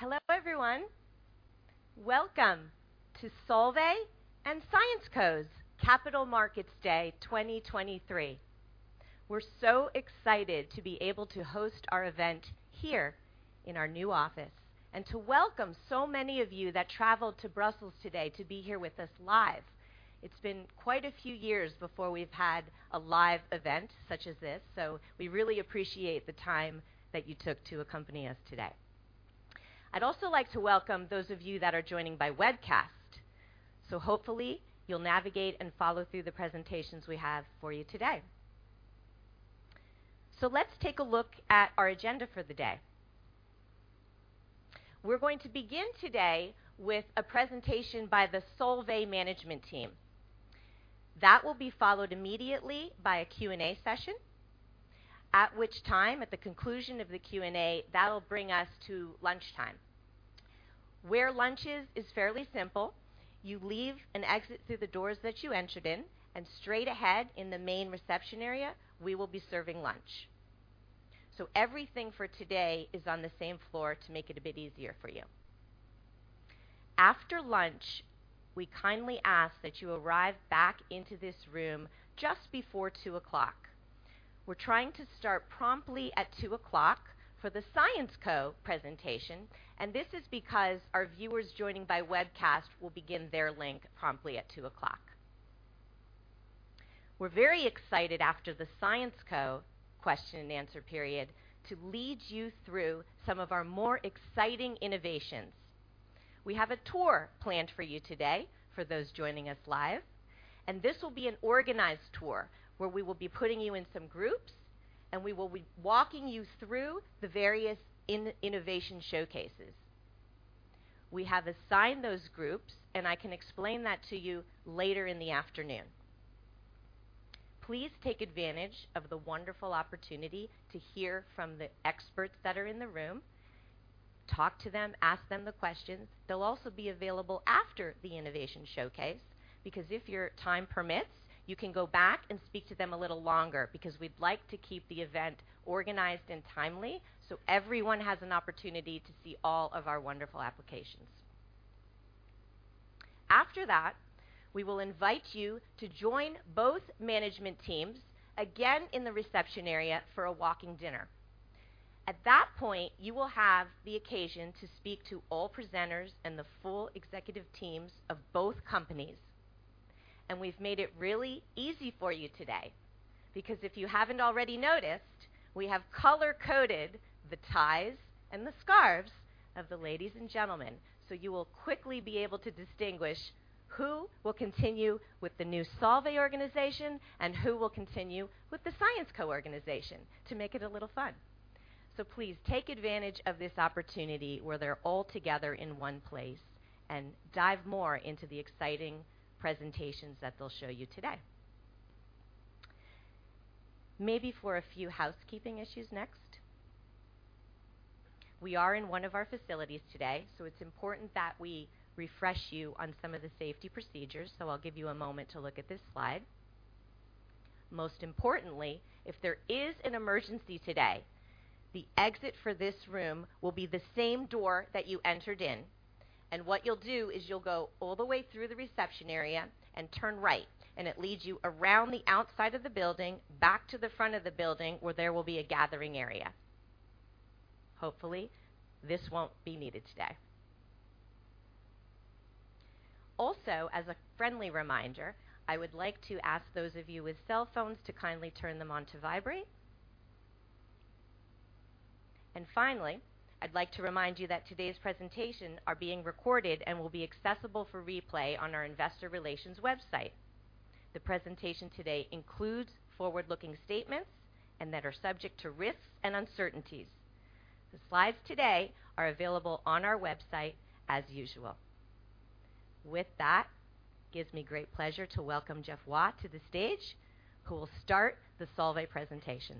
Hello, everyone. Welcome to Solvay and Syensqo's Capital Markets Day 2023. We're so excited to be able to host our event here in our new office and to welcome so many of you that traveled to Brussels today to be here with us live. It's been quite a few years before we've had a live event such as this, so we really appreciate the time that you took to accompany us today. I'd also like to welcome those of you that are joining by webcast, so hopefully you'll navigate and follow through the presentations we have for you today. Let's take a look at our agenda for the day. We're going to begin today with a presentation by the Solvay management team. That will be followed immediately by a Q&A session, at which time, at the conclusion of the Q&A, that'll bring us to lunchtime. Where lunch is, is fairly simple. You leave and exit through the doors that you entered in, and straight ahead in the main reception area, we will be serving lunch. Everything for today is on the same floor to make it a bit easier for you. After lunch, we kindly ask that you arrive back into this room just before 2:00 P.M. We're trying to start promptly at 2:00 P.M. for the Solvay presentation, and this is because our viewers joining by webcast will begin their link promptly at 2:00 P.M. We're very excited after the Solvay question and answer period, to lead you through some of our more exciting innovations. We have a tour planned for you today, for those joining us live, and this will be an organized tour where we will be putting you in some groups, and we will be walking you through the various innovation showcases. We have assigned those groups, and I can explain that to you later in the afternoon. Please take advantage of the wonderful opportunity to hear from the experts that are in the room. Talk to them, ask them the questions. They'll also be available after the innovation showcase, because if your time permits, you can go back and speak to them a little longer, because we'd like to keep the event organized and timely, so everyone has an opportunity to see all of our wonderful applications. After that, we will invite you to join both management teams, again, in the reception area for a walking dinner. At that point, you will have the occasion to speak to all presenters and the full executive teams of both companies. We've made it really easy for you today, because if you haven't already noticed, we have color-coded the ties and the scarves of the ladies and gentlemen, so you will quickly be able to distinguish who will continue with the new Solvay organization and who will continue with the Syensqo organization, to make it a little fun. Please take advantage of this opportunity where they're all together in one place and dive more into the exciting presentations that they'll show you today. Maybe for a few housekeeping issues next. We are in one of our facilities today, so it's important that we refresh you on some of the safety procedures, so I'll give you a moment to look at this slide. Most importantly, if there is an emergency today, the exit for this room will be the same door that you entered in. And what you'll do is you'll go all the way through the reception area and turn right, and it leads you around the outside of the building, back to the front of the building, where there will be a gathering area. Hopefully, this won't be needed today. Also, as a friendly reminder, I would like to ask those of you with cell phones to kindly turn them on to vibrate. And finally, I'd like to remind you that today's presentation are being recorded and will be accessible for replay on our investor relations website. The presentation today includes forward-looking statements and that are subject to risks and uncertainties. The slides today are available on our website as usual. With that, gives me great pleasure to welcome Geoffroy to the stage, who will start the Solvay presentation.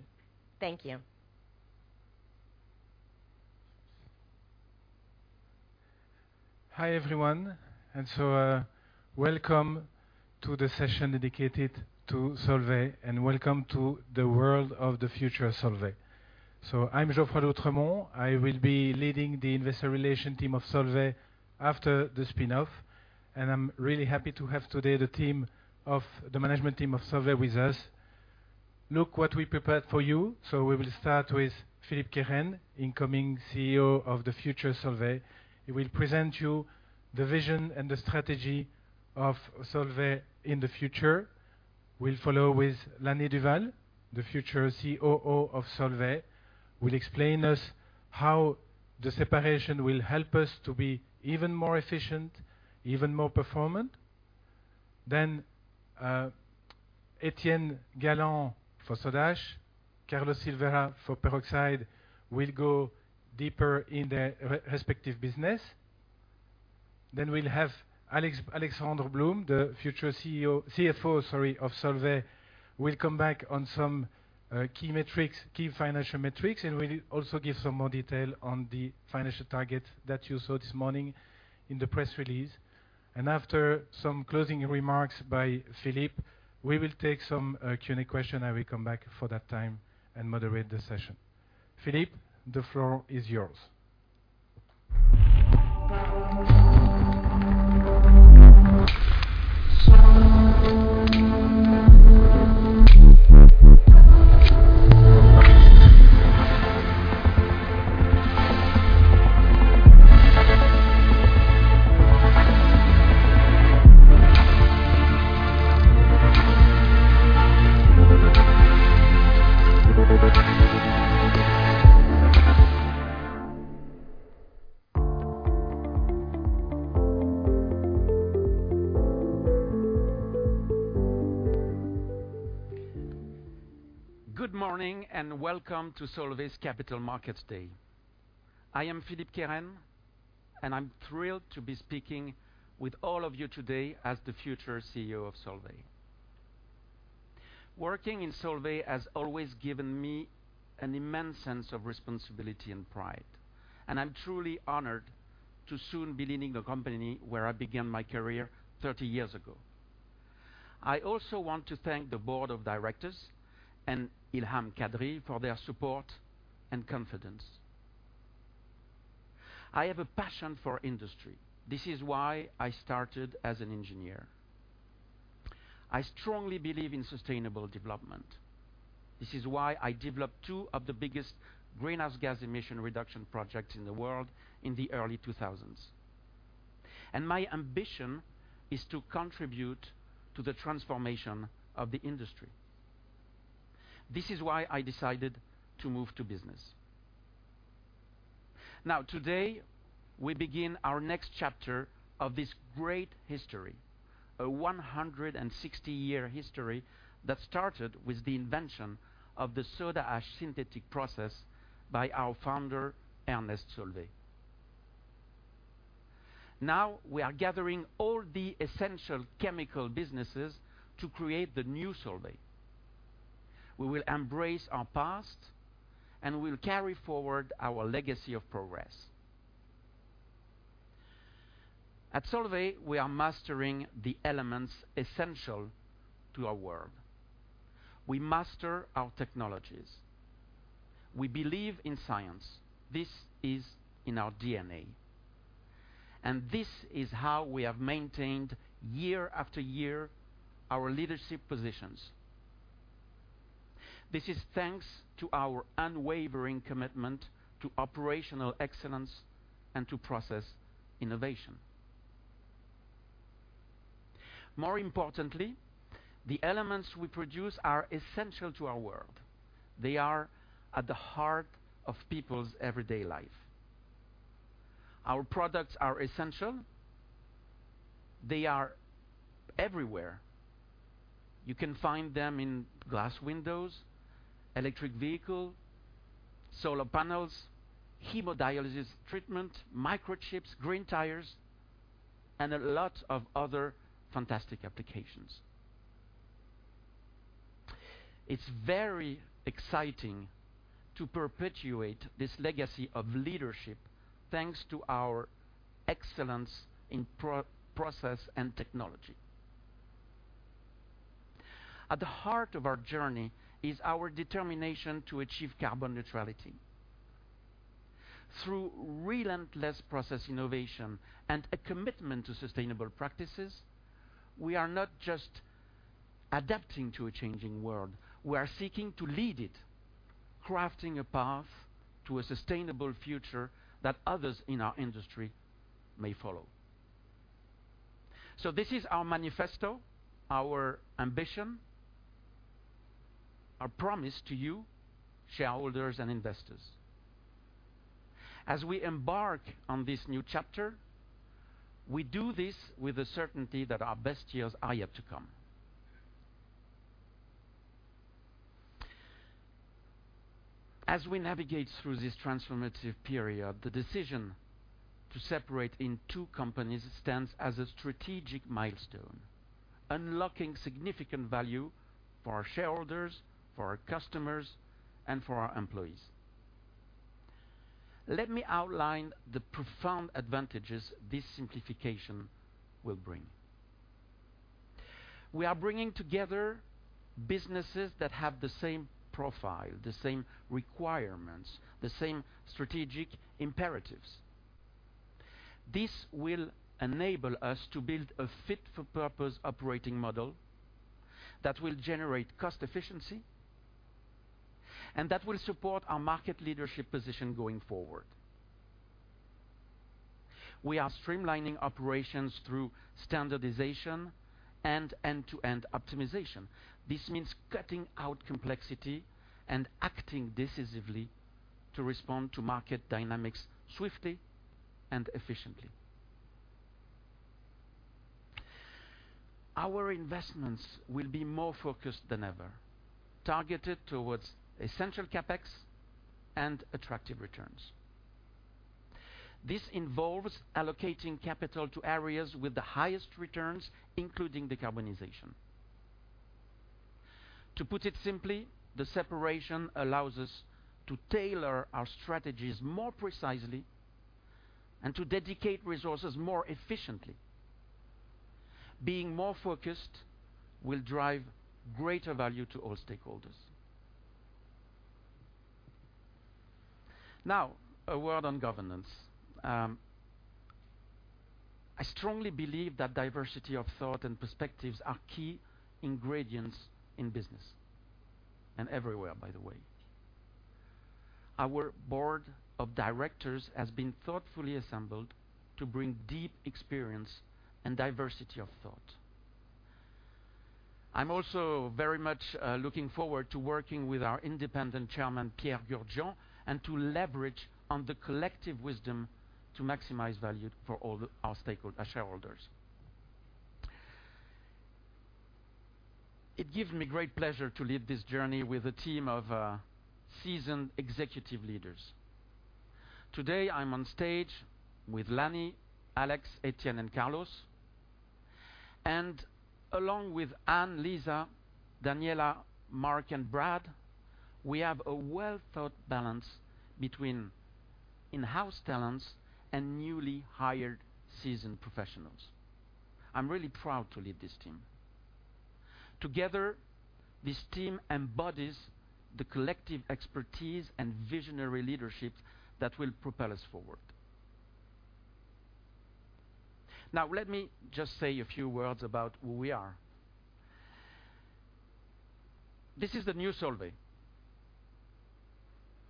Thank you. Hi, everyone, welcome to the session dedicated to Solvay, and welcome to the world of the future Solvay. I'm Geoffroy d'Oultremont. I will be leading the investor relations team of Solvay after the spin-off, and I'm really happy to have today the team of... the management team of Solvay with us. Look what we prepared for you. We will start with Philippe Kehren, incoming CEO of the future Solvay. He will present you the vision and the strategy of Solvay in the future. We'll follow with Lanny Duvall, the future COO of Solvay, will explain us how the separation will help us to be even more efficient, even more performant. Then, Etienne Galan for Soda Ash, Carlos Silveira for Peroxides, will go deeper in their respective business. Then we'll have Alexandre Blum, the future CEO, CFO, sorry, of Solvay, will come back on some key metrics, key financial metrics, and will also give some more detail on the financial target that you saw this morning in the press release. And after some closing remarks by Philippe, we will take some Q&A question. I will come back for that time and moderate the session. Philippe, the floor is yours. Good morning, and welcome to Solvay's Capital Markets Day. I am Philippe Kehren, and I'm thrilled to be speaking with all of you today as the future CEO of Solvay. Working in Solvay has always given me an immense sense of responsibility and pride, and I'm truly honored to soon be leading the company where I began my career 30 years ago. I also want to thank the board of directors and Ilham Kadri for their support and confidence. I have a passion for industry. This is why I started as an engineer. I strongly believe in sustainable development. This is why I developed two of the biggest greenhouse gas emission reduction projects in the world in the early 2000s. My ambition is to contribute to the transformation of the industry. This is why I decided to move to business. Now, today, we begin our next chapter of this great history, a 160-year history that started with the invention of the Soda Ash synthetic process by our founder, Ernest Solvay. Now, we are gathering all the essential chemical businesses to create the new Solvay. We will embrace our past, and we'll carry forward our legacy of progress. At Solvay, we are mastering the elements essential to our world. We master our technologies. We believe in science. This is in our DNA, and this is how we have maintained, year after year, our leadership positions. This is thanks to our unwavering commitment to operational excellence and to process innovation. More importantly, the elements we produce are essential to our world. They are at the heart of people's everyday life. Our products are essential. They are everywhere. You can find them in glass windows, electric vehicle, solar panels, hemodialysis treatment, microchips, green tires, and a lot of other fantastic applications. It's very exciting to perpetuate this legacy of leadership, thanks to our excellence in process and technology. At the heart of our journey is our determination to achieve carbon neutrality. Through relentless process innovation and a commitment to sustainable practices, we are not just adapting to a changing world, we are seeking to lead it, crafting a path to a sustainable future that others in our industry may follow. So this is our manifesto, our ambition, our promise to you, shareholders and investors. As we embark on this new chapter, we do this with the certainty that our best years are yet to come. As we navigate through this transformative period, the decision to separate in two companies stands as a strategic milestone, unlocking significant value for our shareholders, for our customers, and for our employees. Let me outline the profound advantages this simplification will bring. We are bringing together businesses that have the same profile, the same requirements, the same strategic imperatives. This will enable us to build a fit-for-purpose operating model that will generate cost efficiency and that will support our market leadership position going forward. We are streamlining operations through standardization and end-to-end optimization. This means cutting out complexity and acting decisively to respond to market dynamics swiftly and efficiently. Our investments will be more focused than ever, targeted towards essential CapEx and attractive returns. This involves allocating capital to areas with the highest returns, including decarbonization. To put it simply, the separation allows us to tailor our strategies more precisely and to dedicate resources more efficiently. Being more focused will drive greater value to all stakeholders. Now, a word on governance. I strongly believe that diversity of thought and perspectives are key ingredients in business, and everywhere, by the way. Our board of directors has been thoughtfully assembled to bring deep experience and diversity of thought. I'm also very much looking forward to working with our independent chairman, Pierre Gurdjian, and to leverage on the collective wisdom to maximize value for all our shareholders. It gives me great pleasure to lead this journey with a team of seasoned executive leaders. Today, I'm on stage with Lanny, Alex, Etienne, and Carlos. Along with Anne, Lisa, Daniela, Mark, and Brad, we have a well-thought balance between in-house talents and newly hired seasoned professionals. I'm really proud to lead this team. Together, this team embodies the collective expertise and visionary leadership that will propel us forward. Now, let me just say a few words about who we are. This is the new Solvay.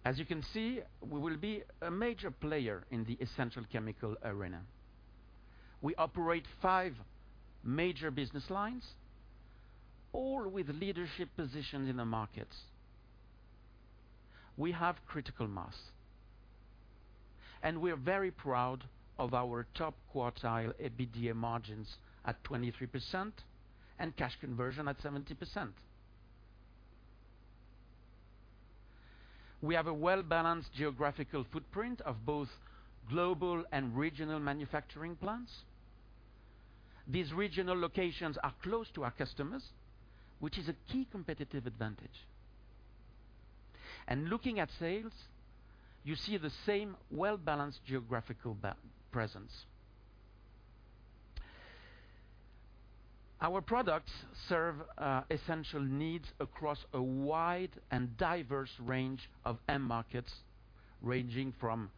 As you can see, we will be a major player in the essential chemical arena. We operate five major business lines, all with leadership positions in the markets. We have critical mass, and we are very proud of our top quartile EBITDA margins at 23% and cash conversion at 70%. We have a well-balanced geographical footprint of both global and regional manufacturing plants. These regional locations are close to our customers, which is a key competitive advantage. And looking at sales, you see the same well-balanced geographical presence. Our products serve essential needs across a wide and diverse range of end markets, ranging from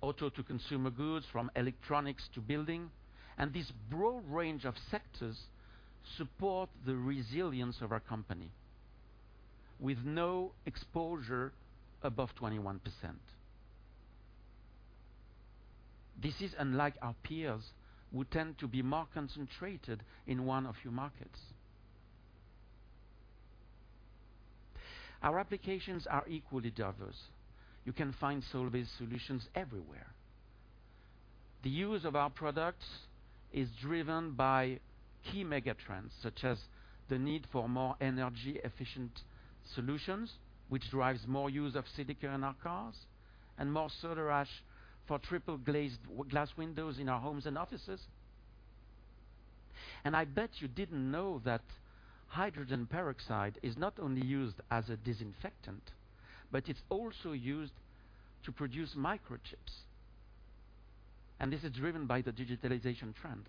auto to consumer goods, from electronics to building. And this broad range of sectors support the resilience of our company with no exposure above 21%. This is unlike our peers, who tend to be more concentrated in one of your markets. Our applications are equally diverse. You can find Solvay's solutions everywhere. The use of our products is driven by key megatrends, such as the need for more energy-efficient solutions, which drives more use of silica in our cars and more soda ash for triple-glazed glass windows in our homes and offices. I bet you didn't know that hydrogen peroxide is not only used as a disinfectant, but it's also used to produce microchips, and this is driven by the digitalization trend.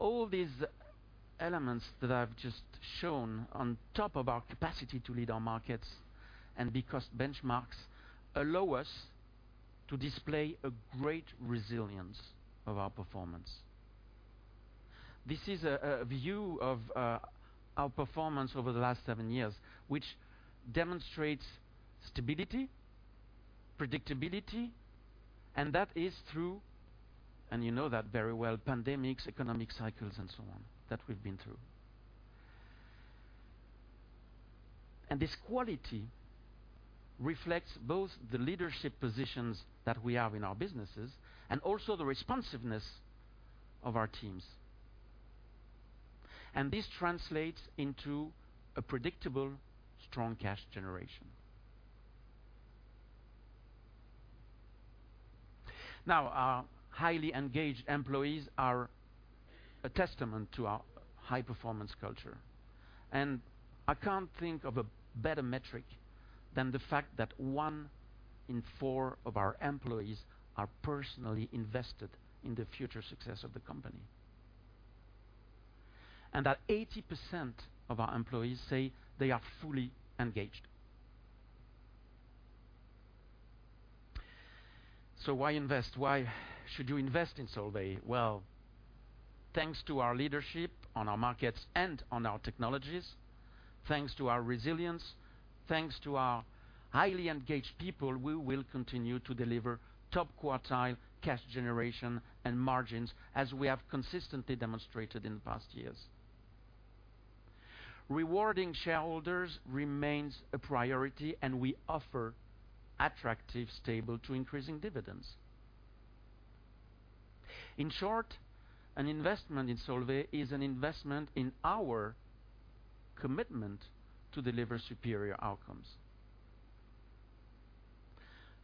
All these elements that I've just shown on top of our capacity to lead our markets, and because benchmarks allow us to display a great resilience of our performance. This is a view of our performance over the last seven years, which demonstrates stability, predictability, and that is through, and you know that very well, pandemics, economic cycles, and so on, that we've been through. And this quality reflects both the leadership positions that we have in our businesses and also the responsiveness of our teams. And this translates into a predictable, strong cash generation. Now, our highly engaged employees are a testament to our high-performance culture, and I can't think of a better metric than the fact that one in four of our employees are personally invested in the future success of the company, and that 80% of our employees say they are fully engaged. So why invest? Why should you invest in Solvay? Well, thanks to our leadership on our markets and on our technologies, thanks to our resilience, thanks to our highly engaged people, we will continue to deliver top-quartile cash generation and margins, as we have consistently demonstrated in the past years. Rewarding shareholders remains a priority, and we offer attractive, stable to increasing dividends. In short, an investment in Solvay is an investment in our commitment to deliver superior outcomes.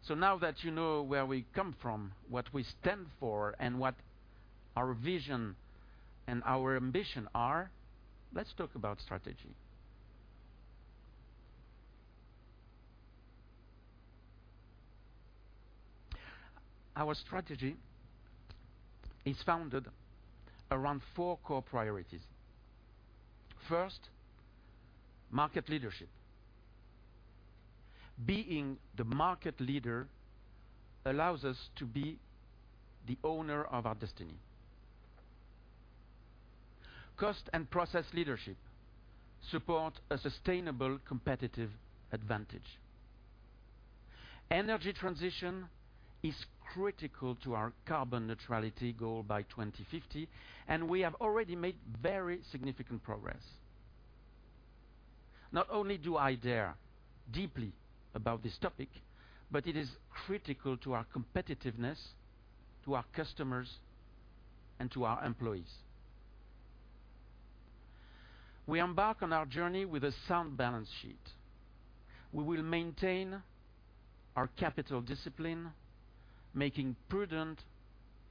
So now that you know where we come from, what we stand for, and what our vision and our ambition are, let's talk about strategy. Our strategy is founded around four core priorities. First, market leadership. Being the market leader allows us to be the owner of our destiny. Cost and process leadership support a sustainable, competitive advantage. Energy transition is critical to our carbon neutrality goal by 2050, and we have already made very significant progress. Not only do I care deeply about this topic, but it is critical to our competitiveness, to our customers, and to our employees. We embark on our journey with a sound balance sheet. We will maintain our capital discipline, making prudent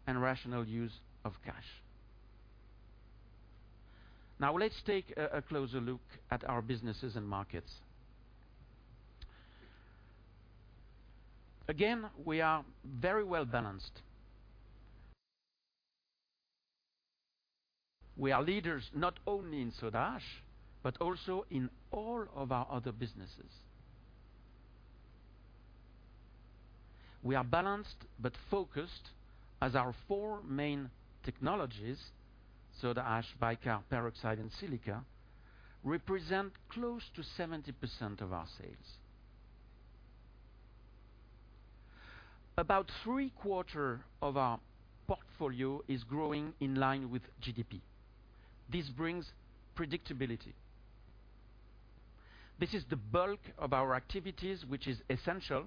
and rational use of cash. Now, let's take a closer look at our businesses and markets. Again, we are very well-balanced. We are leaders, not only in soda ash, but also in all of our other businesses. We are balanced but focused as our four main technologies: soda ash, bicarb, peroxide, and silica, represent close to 70% of our sales. About three-quarters of our portfolio is growing in line with GDP. This brings predictability. This is the bulk of our activities, which is essential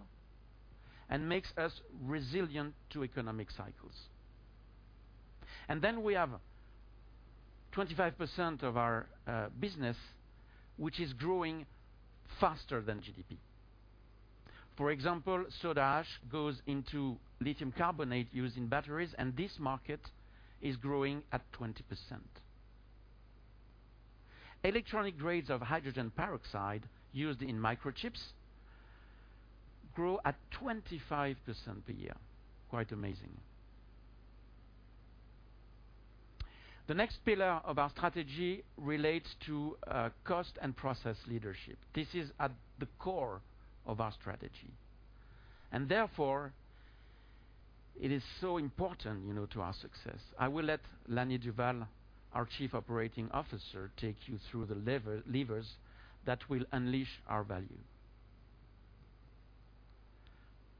and makes us resilient to economic cycles. And then we have 25% of our business, which is growing faster than GDP. For example, soda ash goes into lithium carbonate used in batteries, and this market is growing at 20%. Electronic grades of hydrogen peroxide used in microchips grow at 25% a year. Quite amazing. The next pillar of our strategy relates to cost and process leadership. This is at the core of our strategy, and therefore it is so important, you know, to our success. I will let Lanny Duvall, our Chief Operating Officer, take you through the lever, levers that will unleash our value.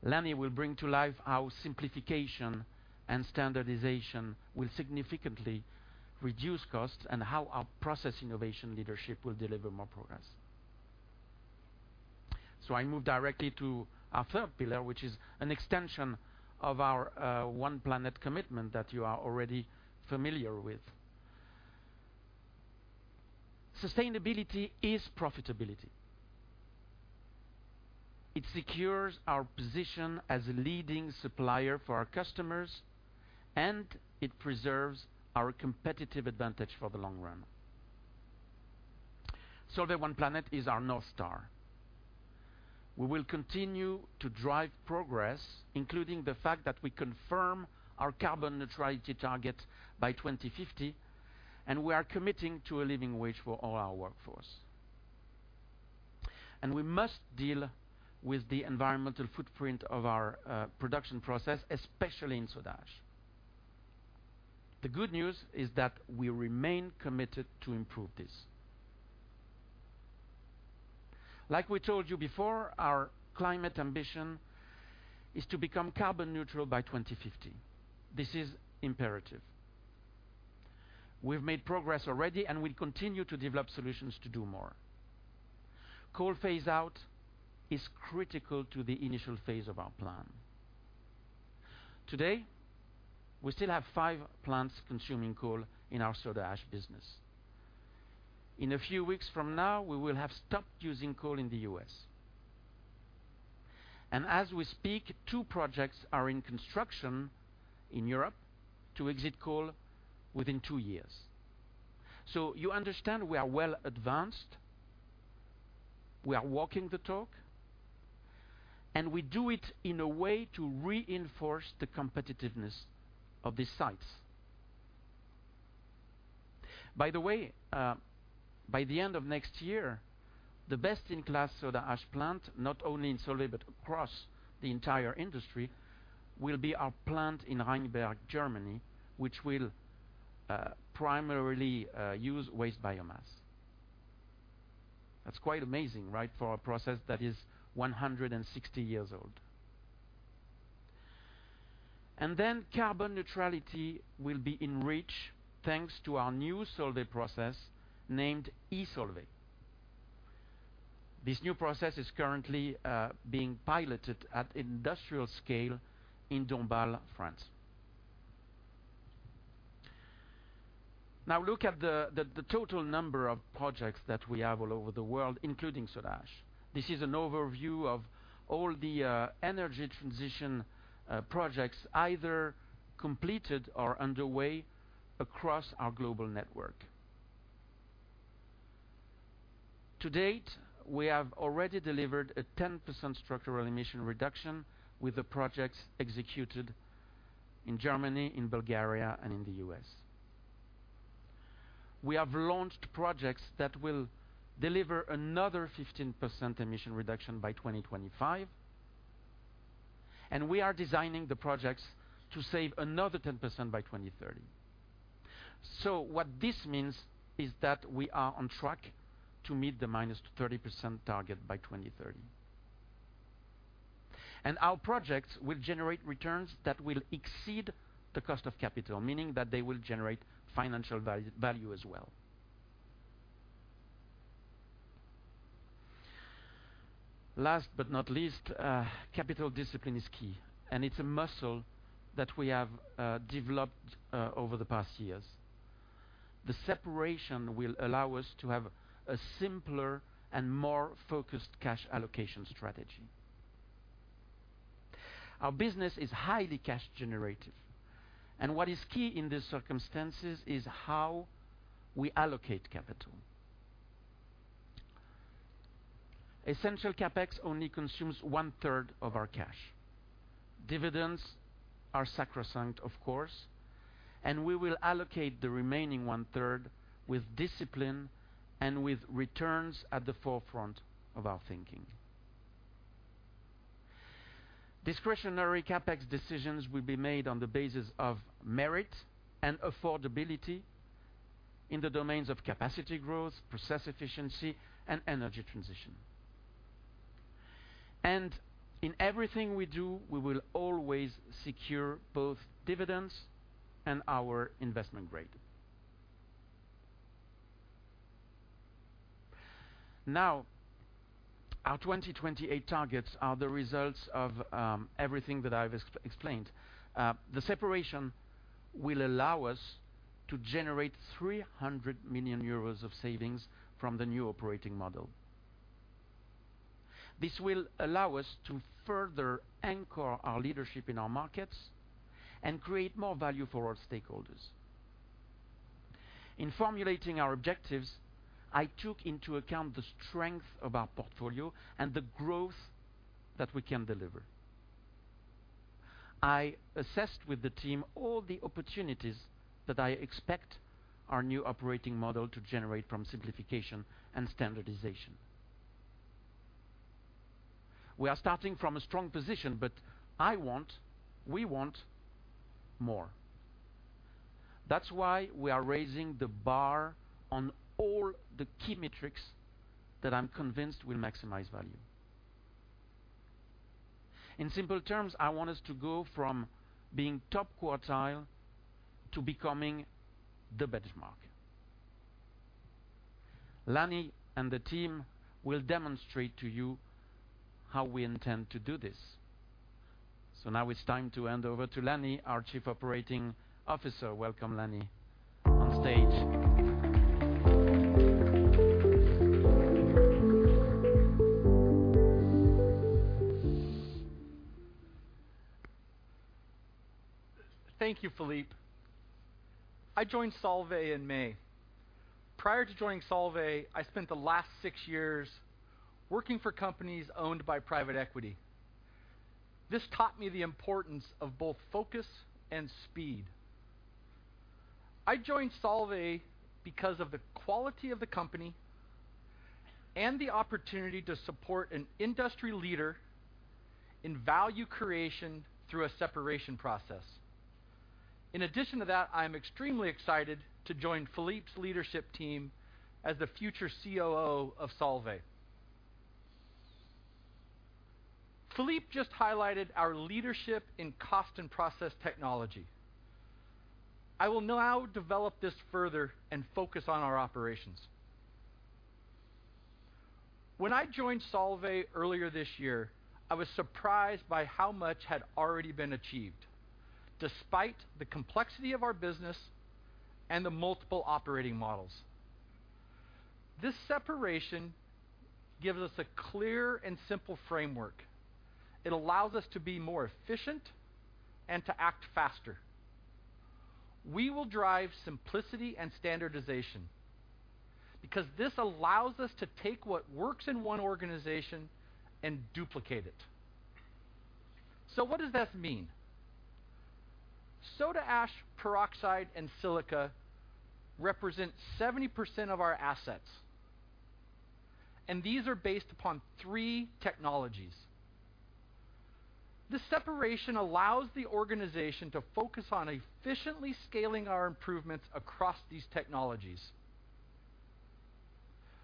Lanny will bring to life how simplification and standardization will significantly reduce costs, and how our process innovation leadership will deliver more progress. So I move directly to our third pillar, which is an extension of our One Planet commitment that you are already familiar with. Sustainability is profitability. It secures our position as a leading supplier for our customers, and it preserves our competitive advantage for the long run. Solvay One Planet is our North Star. We will continue to drive progress, including the fact that we confirm our carbon neutrality target by 2050, and we are committing to a living wage for all our workforce. We must deal with the environmental footprint of our production process, especially in soda ash. The good news is that we remain committed to improve this. Like we told you before, our climate ambition is to become carbon neutral by 2050. This is imperative. We've made progress already, and we'll continue to develop solutions to do more. Coal phase out is critical to the initial phase of our plan. Today, we still have five plants consuming coal in our soda ash business. In a few weeks from now, we will have stopped using coal in the U.S. As we speak, two projects are in construction in Europe to exit coal within two years. So you understand we are well advanced, we are walking the talk, and we do it in a way to reinforce the competitiveness of these sites. By the way, by the end of next year, the best-in-class soda ash plant, not only in Solvay, but across the entire industry, will be our plant in Rheinberg, Germany, which will primarily use waste biomass. That's quite amazing, right? For a process that is 160 years old. And then carbon neutrality will be in reach, thanks to our new Solvay process named e.Solvay. This new process is currently being piloted at industrial scale in Dombasle, France. Now look at the total number of projects that we have all over the world, including soda ash. This is an overview of all the energy transition projects, either completed or underway across our global network. To date, we have already delivered a 10% structural emission reduction with the projects executed in Germany, in Bulgaria, and in the U.S. We have launched projects that will deliver another 15% emission reduction by 2025, and we are designing the projects to save another 10% by 2030. What this means is that we are on track to meet the -30% target by 2030. Our projects will generate returns that will exceed the cost of capital, meaning that they will generate financial value as well. Last but not least, capital discipline is key, and it's a muscle that we have developed over the past years. The separation will allow us to have a simpler and more focused cash allocation strategy. Our business is highly cash generative, and what is key in these circumstances is how we allocate capital. Essential CapEx only consumes one-third of our cash. Dividends are sacrosanct, of course, and we will allocate the remaining one-third with discipline and with returns at the forefront of our thinking. Discretionary CapEx decisions will be made on the basis of merit and affordability in the domains of capacity growth, process efficiency, and energy transition. And in everything we do, we will always secure both dividends and our investment grade. Now, our 2028 targets are the results of everything that I've explained. The separation will allow us to generate 300 million euros of savings from the new operating model. This will allow us to further anchor our leadership in our markets and create more value for our stakeholders. In formulating our objectives, I took into account the strength of our portfolio and the growth that we can deliver. I assessed with the team all the opportunities that I expect our new operating model to generate from simplification and standardization. We are starting from a strong position, but I want, we want, more. That's why we are raising the bar on all the key metrics that I'm convinced will maximize value. In simple terms, I want us to go from being top quartile to becoming the benchmark. Lanny and the team will demonstrate to you how we intend to do this. So now it's time to hand over to Lanny, our Chief Operating Officer. Welcome, Lanny, on stage. Thank you, Philippe. I joined Solvay in May. Prior to joining Solvay, I spent the last six years working for companies owned by private equity. This taught me the importance of both focus and speed. I joined Solvay because of the quality of the company and the opportunity to support an industry leader in value creation through a separation process. In addition to that, I'm extremely excited to join Philippe's leadership team as the future COO of Solvay. Philippe just highlighted our leadership in cost and process technology. I will now develop this further and focus on our operations. When I joined Solvay earlier this year, I was surprised by how much had already been achieved, despite the complexity of our business and the multiple operating models. This separation gives us a clear and simple framework. It allows us to be more efficient and to act faster. We will drive simplicity and standardization because this allows us to take what works in one organization and duplicate it. So what does that mean? Soda Ash, Peroxide, and Silica represent 70% of our assets, and these are based upon three technologies. The separation allows the organization to focus on efficiently scaling our improvements across these technologies.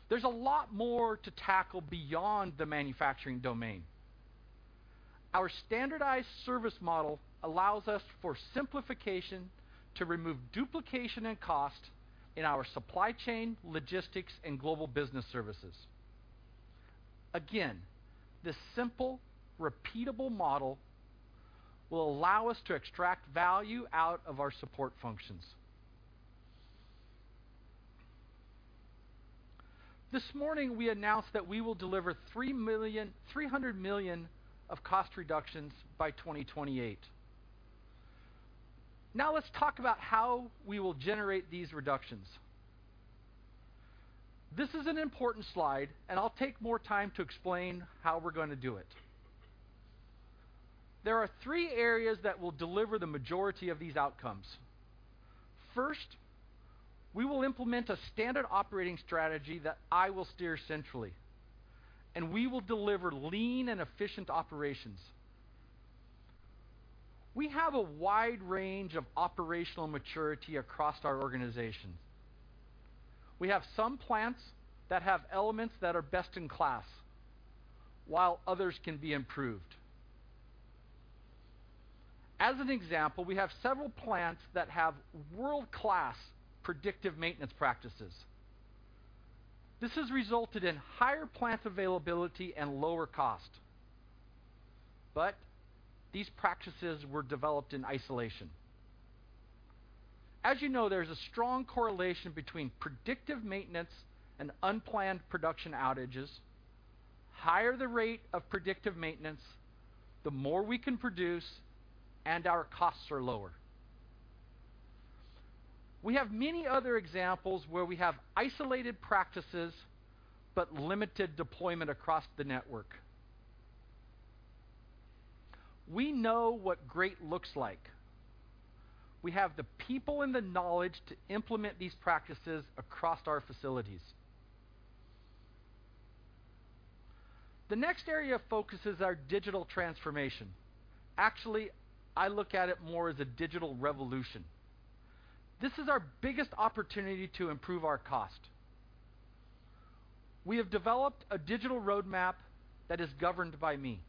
There's a lot more to tackle beyond the manufacturing domain. Our standardized service model allows us for simplification to remove duplication and cost in our supply chain, logistics, and global business services. Again, this simple, repeatable model will allow us to extract value out of our support functions. This morning, we announced that we will deliver 300 million of cost reductions by 2028. Now let's talk about how we will generate these reductions. This is an important slide, and I'll take more time to explain how we're going to do it. There are three areas that will deliver the majority of these outcomes. First, we will implement a standard operating strategy that I will steer centrally, and we will deliver lean and efficient operations. We have a wide range of operational maturity across our organization. We have some plants that have elements that are best in class, while others can be improved. As an example, we have several plants that have world-class predictive maintenance practices. This has resulted in higher plant availability and lower cost, but these practices were developed in isolation. As you know, there's a strong correlation between predictive maintenance and unplanned production outages. Higher the rate of predictive maintenance, the more we can produce, and our costs are lower. We have many other examples where we have isolated practices, but limited deployment across the network. We know what great looks like. We have the people and the knowledge to implement these practices across our facilities. The next area of focus is our digital transformation. Actually, I look at it more as a digital revolution. This is our biggest opportunity to improve our cost. We have developed a digital roadmap that is governed by me.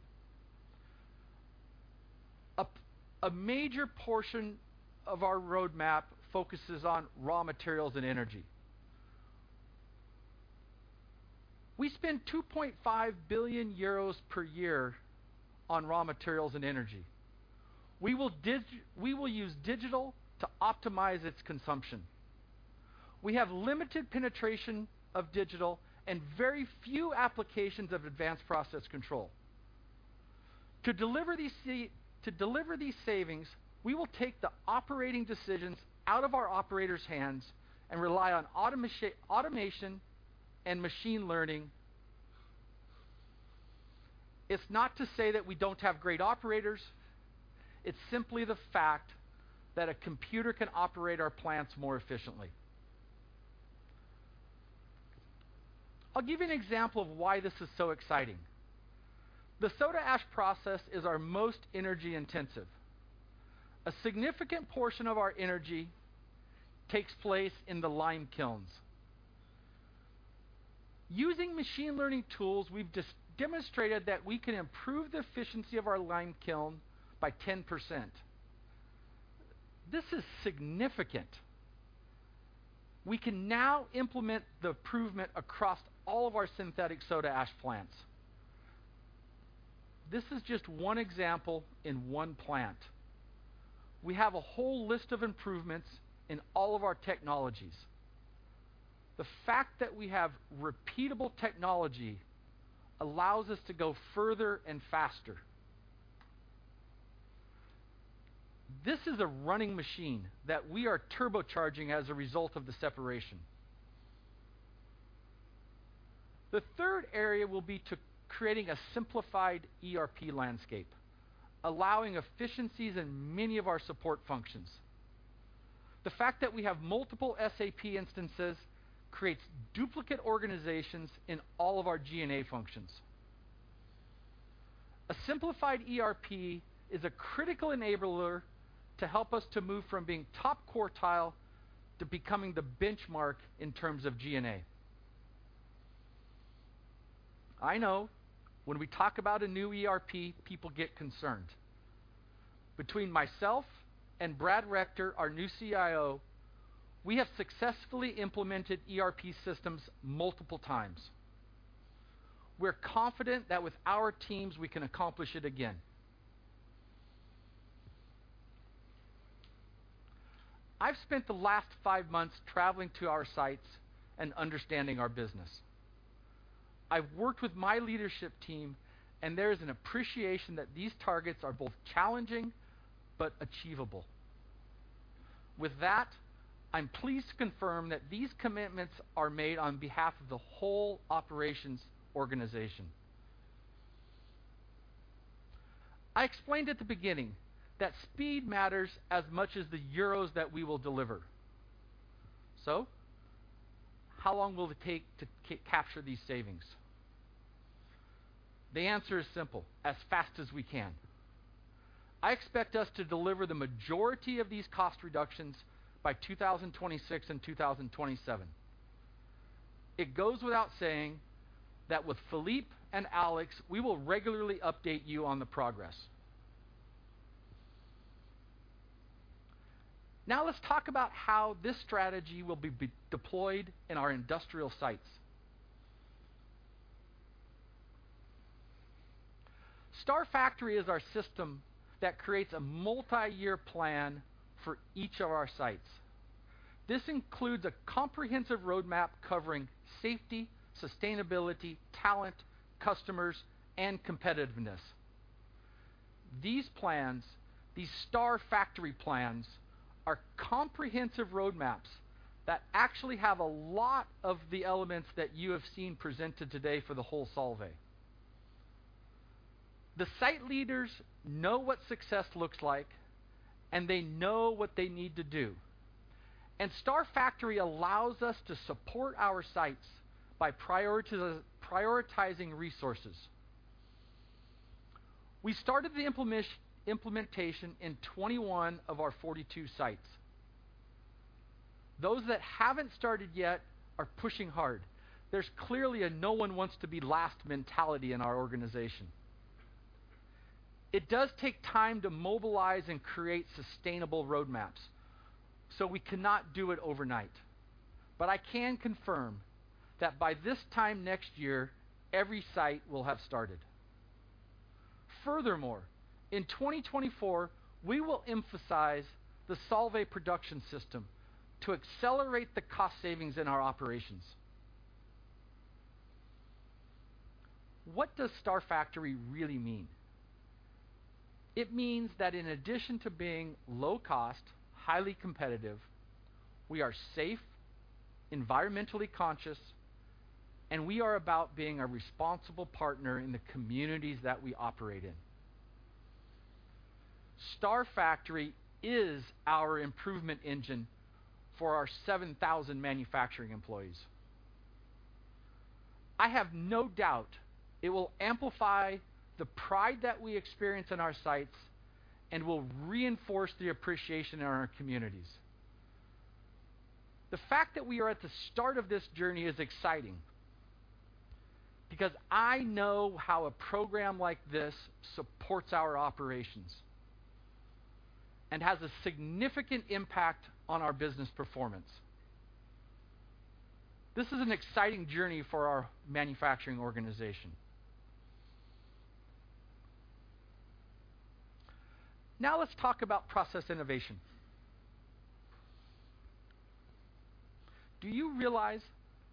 A major portion of our roadmap focuses on raw materials and energy. We spend 2.5 billion euros per year on raw materials and energy. We will use digital to optimize its consumption. We have limited penetration of digital and very few applications of advanced process control. To deliver these savings, we will take the operating decisions out of our operators' hands and rely on automation and machine learning. It's not to say that we don't have great operators, it's simply the fact that a computer can operate our plants more efficiently. I'll give you an example of why this is so exciting. The soda ash process is our most energy intensive. A significant portion of our energy takes place in the lime kilns. Using machine learning tools, we've demonstrated that we can improve the efficiency of our lime kiln by 10%. This is significant. We can now implement the improvement across all of our synthetic soda ash plants. This is just one example in one plant. We have a whole list of improvements in all of our technologies. The fact that we have repeatable technology allows us to go further and faster. This is a running machine that we are turbocharging as a result of the separation. The third area will be to creating a simplified ERP landscape, allowing efficiencies in many of our support functions. The fact that we have multiple SAP instances creates duplicate organizations in all of our G&A functions. A simplified ERP is a critical enabler to help us to move from being top quartile to becoming the benchmark in terms of G&A. I know when we talk about a new ERP, people get concerned. Between myself and Brad Rector, our new CIO, we have successfully implemented ERP systems multiple times. We're confident that with our teams, we can accomplish it again. I've spent the last five months traveling to our sites and understanding our business. I've worked with my leadership team, and there is an appreciation that these targets are both challenging but achievable. With that, I'm pleased to confirm that these commitments are made on behalf of the whole operations organization. I explained at the beginning that speed matters as much as the euros that we will deliver. So how long will it take to capture these savings? The answer is simple, as fast as we can. I expect us to deliver the majority of these cost reductions by 2026 and 2027. It goes without saying that with Philippe and Alex, we will regularly update you on the progress. Now let's talk about how this strategy will be deployed in our industrial sites. Star Factory is our system that creates a multi-year plan for each of our sites. This includes a comprehensive roadmap covering safety, sustainability, talent, customers, and competitiveness. These plans, these Star Factory plans, are comprehensive roadmaps that actually have a lot of the elements that you have seen presented today for the whole Solvay. The site leaders know what success looks like, and they know what they need to do, and Star Factory allows us to support our sites by prioritizing resources. We started the implementation in 21 of our 42 sites. Those that haven't started yet are pushing hard. There's clearly a no one wants to be last mentality in our organization. It does take time to mobilize and create sustainable roadmaps, so we cannot do it overnight. But I can confirm that by this time next year, every site will have started. Furthermore, in 2024, we will emphasize the Solvay production system to accelerate the cost savings in our operations. What does Star Factory really mean? It means that in addition to being low cost, highly competitive, we are safe, environmentally conscious, and we are about being a responsible partner in the communities that we operate in. Star Factory is our improvement engine for our 7,000 manufacturing employees. I have no doubt it will amplify the pride that we experience in our sites and will reinforce the appreciation in our communities. The fact that we are at the start of this journey is exciting, because I know how a program like this supports our operations and has a significant impact on our business performance. This is an exciting journey for our manufacturing organization. Now, let's talk about process innovation. Do you realize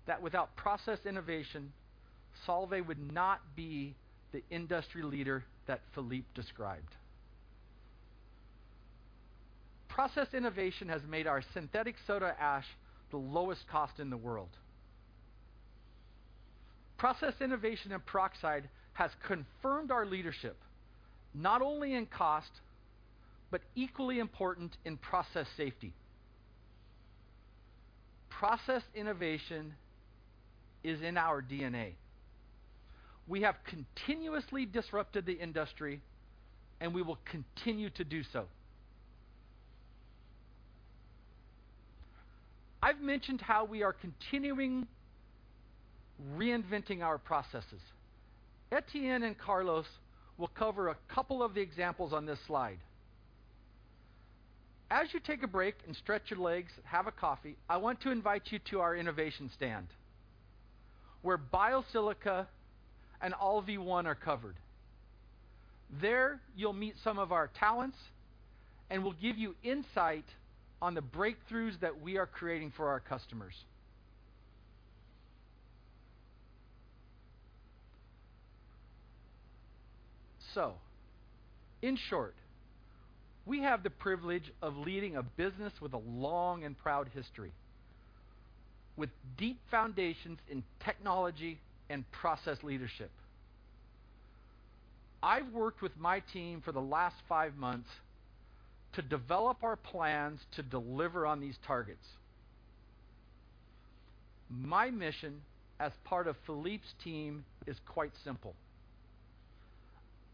that without process innovation, Solvay would not be the industry leader that Philippe described? Process innovation has made our synthetic Soda Ash the lowest cost in the world. Process innovation and peroxide has confirmed our leadership, not only in cost, but equally important, in process safety. Process innovation is in our DNA. We have continuously disrupted the industry, and we will continue to do so. I've mentioned how we are continuing reinventing our processes. Etienne and Carlos will cover a couple of the examples on this slide. As you take a break and stretch your legs, have a coffee, I want to invite you to our innovation stand, where Biosilica and Alve-One are covered. There, you'll meet some of our talents, and we'll give you insight on the breakthroughs that we are creating for our customers. So in short, we have the privilege of leading a business with a long and proud history, with deep foundations in technology and process leadership. I've worked with my team for the last five months to develop our plans to deliver on these targets. My mission as part of Philippe's team is quite simple: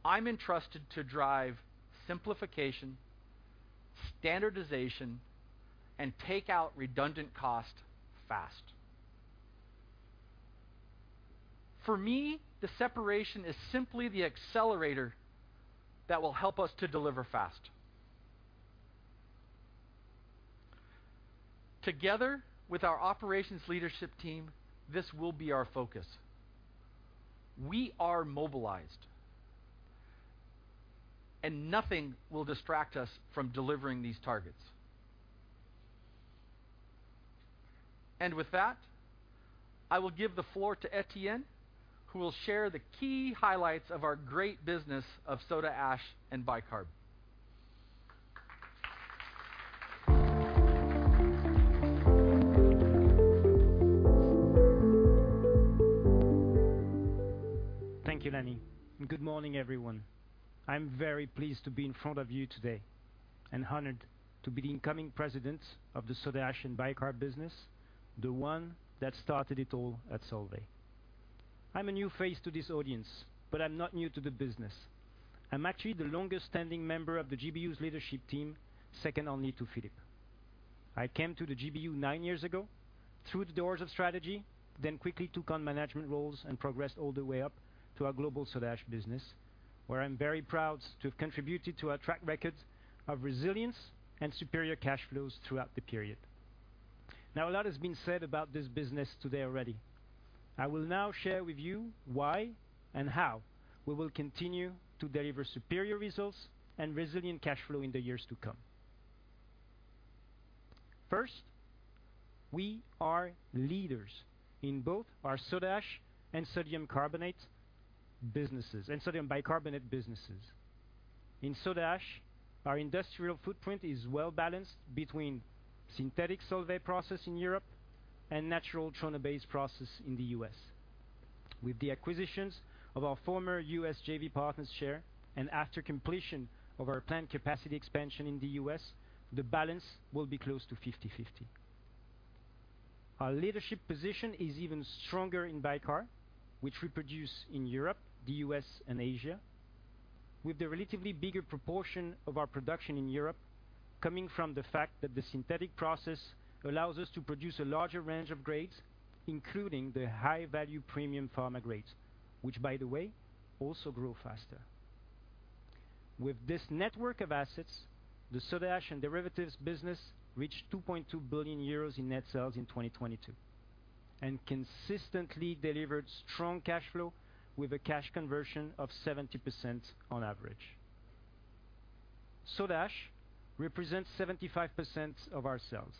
I'm entrusted to drive simplification, standardization, and take out redundant cost fast. For me, the separation is simply the accelerator that will help us to deliver fast. Together with our operations leadership team, this will be our focus. We are mobilized, and nothing will distract us from delivering these targets. With that, I will give the floor to Etienne, who will share the key highlights of our great business of soda ash and bicarb. Thank you, Lanny, and good morning, everyone. I'm very pleased to be in front of you today and honored to be the incoming president of the soda ash and bicarb business, the one that started it all at Solvay. I'm a new face to this audience, but I'm not new to the business. I'm actually the longest-standing member of the GBU's leadership team, second only to Philippe. I came to the GBU nine years ago, through the doors of strategy, then quickly took on management roles and progressed all the way up to our global soda ash business, where I'm very proud to have contributed to our track record of resilience and superior cash flows throughout the period. Now, a lot has been said about this business today already. I will now share with you why and how we will continue to deliver superior results and resilient cash flow in the years to come. First, we are leaders in both our soda ash and sodium carbonate businesses, and sodium bicarbonate businesses. In soda ash, our industrial footprint is well balanced between synthetic Solvay Process in Europe and natural trona-based process in the U.S. With the acquisitions of our former U.S. JV partners share, and after completion of our planned capacity expansion in the U.S., the balance will be close to 50/50. Our leadership position is even stronger in bicarb, which we produce in Europe, the U.S., and Asia. With the relatively bigger proportion of our production in Europe, coming from the fact that the synthetic process allows us to produce a larger range of grades, including the high-value premium pharma grades, which, by the way, also grow faster. With this network of assets, the soda ash and derivatives business reached 2.2 billion euros in net sales in 2022, and consistently delivered strong cash flow with a cash conversion of 70% on average. Soda ash represents 75% of our sales,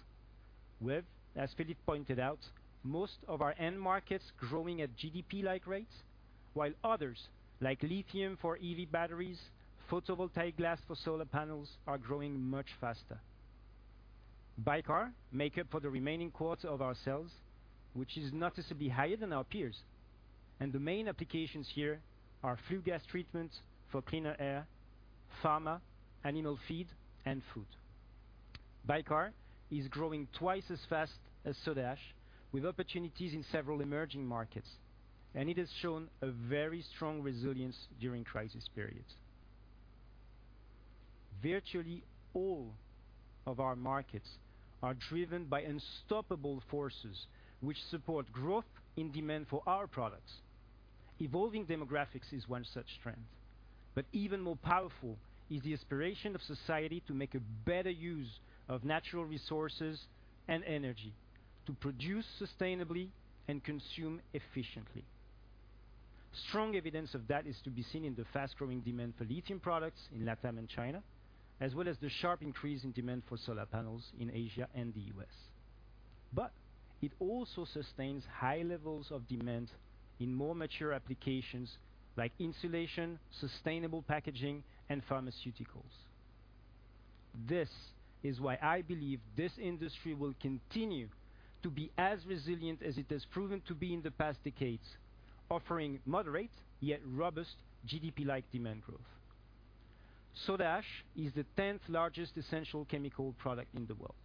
with, as Philippe pointed out, most of our end markets growing at GDP-like rates, while others, like lithium for EV batteries, photovoltaic glass for solar panels, are growing much faster. Bicarb make up for the remaining quarter of our sales, which is noticeably higher than our peers, and the main applications here are flue gas treatments for cleaner air, pharma, animal feed, and food. Bicarb is growing twice as fast as soda ash, with opportunities in several emerging markets, and it has shown a very strong resilience during crisis periods. Virtually all of our markets are driven by unstoppable forces, which support growth in demand for our products. Evolving demographics is one such trend, but even more powerful is the aspiration of society to make a better use of natural resources and energy to produce sustainably and consume efficiently. Strong evidence of that is to be seen in the fast-growing demand for lithium products in LatAm and China, as well as the sharp increase in demand for solar panels in Asia and the U.S. But it also sustains high levels of demand in more mature applications like insulation, sustainable packaging, and pharmaceuticals. This is why I believe this industry will continue to be as resilient as it has proven to be in the past decades, offering moderate, yet robust GDP-like demand growth. Soda Ash is the tenth largest essential chemical product in the world,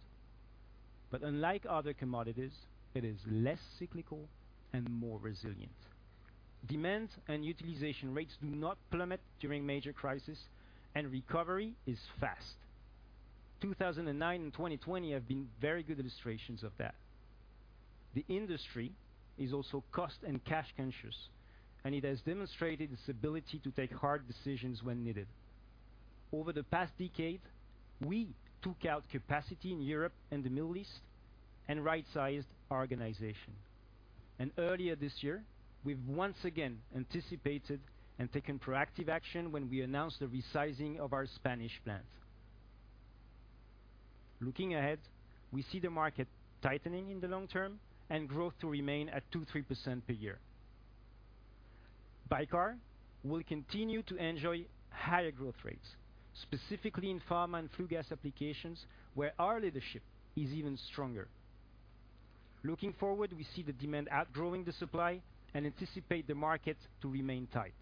but unlike other commodities, it is less cyclical and more resilient. Demand and utilization rates do not plummet during major crisis, and recovery is fast. 2009 and 2020 have been very good illustrations of that. The industry is also cost and cash conscious, and it has demonstrated its ability to take hard decisions when needed. Over the past decade, we took out capacity in Europe and the Middle East and right-sized our organization. Earlier this year, we've once again anticipated and taken proactive action when we announced the resizing of our Spanish plant. Looking ahead, we see the market tightening in the long term and growth to remain at 2%-3% per year. Bicarb will continue to enjoy higher growth rates, specifically in pharma and flue gas applications, where our leadership is even stronger. Looking forward, we see the demand outgrowing the supply and anticipate the market to remain tight.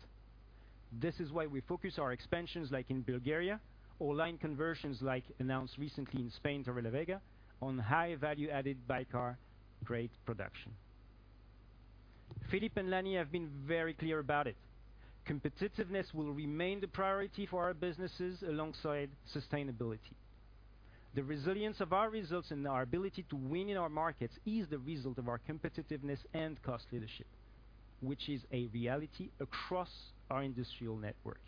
This is why we focus our expansions, like in Bulgaria or line conversions, like announced recently in Spain, Torrelavega, on high-value-added bicarb grade production. Philippe and Lanny have been very clear about it. Competitiveness will remain the priority for our businesses alongside sustainability. The resilience of our results and our ability to win in our markets is the result of our competitiveness and cost leadership, which is a reality across our industrial network.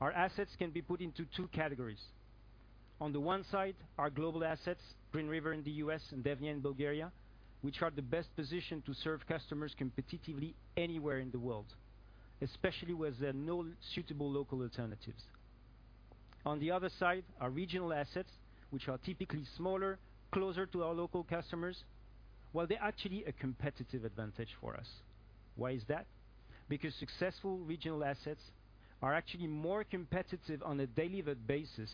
Our assets can be put into two categories. On the one side, our global assets, Green River in the U.S. and Devnya in Bulgaria, which are the best positioned to serve customers competitively anywhere in the world, especially where there are no suitable local alternatives. On the other side, our regional assets, which are typically smaller, closer to our local customers, well, they're actually a competitive advantage for us. Why is that? Because successful regional assets are actually more competitive on a delivered basis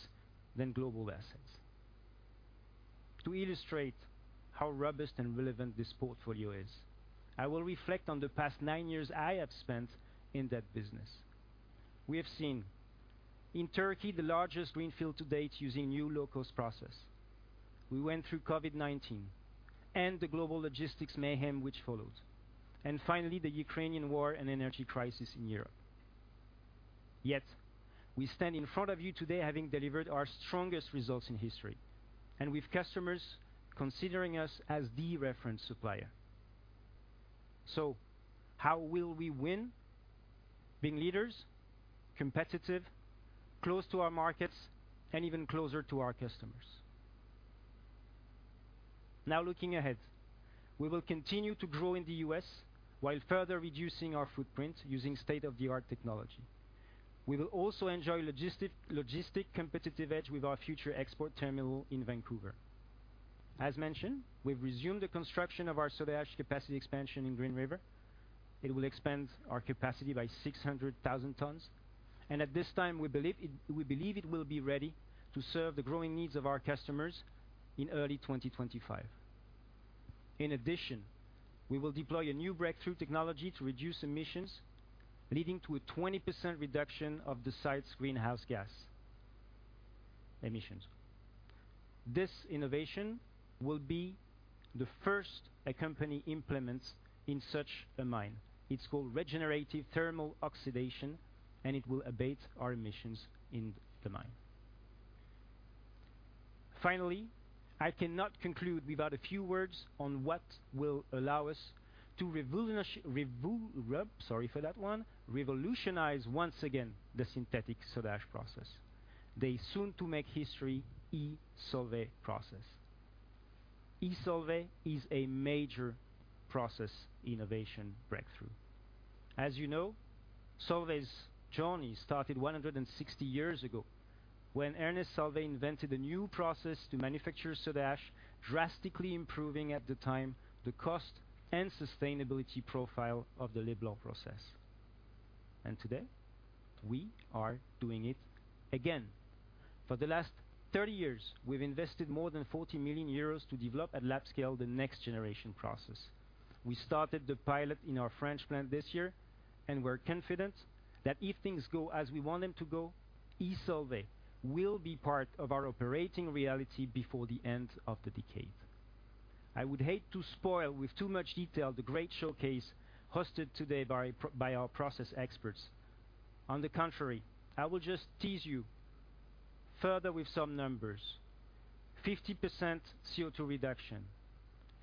than global assets. To illustrate how robust and relevant this portfolio is, I will reflect on the past nine years I have spent in that business. We have seen in Turkey, the largest greenfield to date using new low-cost process. We went through COVID-19 and the global logistics mayhem which followed, and finally, the Ukrainian war and energy crisis in Europe. Yet, we stand in front of you today having delivered our strongest results in history, and with customers considering us as the reference supplier. So how will we win? Being leaders, competitive, close to our markets, and even closer to our customers. Now, looking ahead, we will continue to grow in the U.S. while further reducing our footprint using state-of-the-art technology. We will also enjoy logistic competitive edge with our future export terminal in Vancouver. As mentioned, we've resumed the construction of our soda ash capacity expansion in Green River. It will expand our capacity by 600,000 tons, and at this time, we believe it will be ready to serve the growing needs of our customers in early 2025. In addition, we will deploy a new breakthrough technology to reduce emissions, leading to a 20% reduction of the site's greenhouse gas emissions. This innovation will be the first a company implements in such a mine. It's called regenerative thermal oxidation, and it will abate our emissions in the mine. Finally, I cannot conclude without a few words on what will allow us to revolutionize once again the synthetic soda ash process. The soon to make history, e.Solvay process. eSolvay is a major process innovation breakthrough. As you know, Solvay's journey started 160 years ago when Ernest Solvay invented a new process to manufacture soda ash, drastically improving at the time, the cost and sustainability profile of the Leblanc process. Today, we are doing it again. For the last 30 years, we've invested more than 40 million euros to develop at lab scale the next generation process. We started the pilot in our French plant this year, and we're confident that if things go as we want them to go, eSolvay will be part of our operating reality before the end of the decade. I would hate to spoil with too much detail, the great showcase hosted today by by our process experts. On the contrary, I will just tease you further with some numbers: 50% CO₂ reduction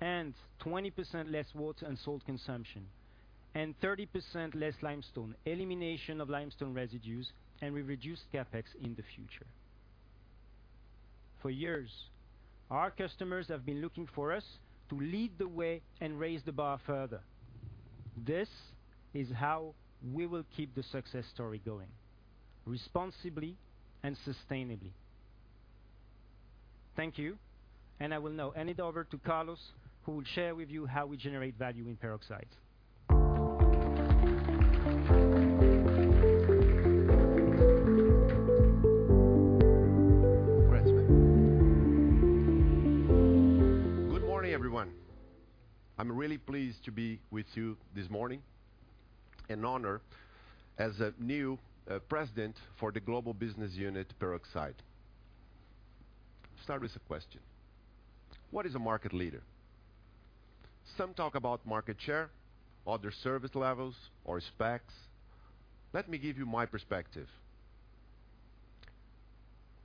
and 20% less water and salt consumption, and 30% less limestone, elimination of limestone residues, and we reduce CapEx in the future. For years, our customers have been looking for us to lead the way and raise the bar further. This is how we will keep the success story going, responsibly and sustainably. Thank you, and I will now hand it over to Carlos, who will share with you how we generate value in peroxides. Congrats, man. Good morning, everyone. I'm really pleased to be with you this morning, and honored as a new president for the Global Business Unit, Peroxide. Start with a question: What is a market leader? Some talk about market share, other service levels or specs. Let me give you my perspective.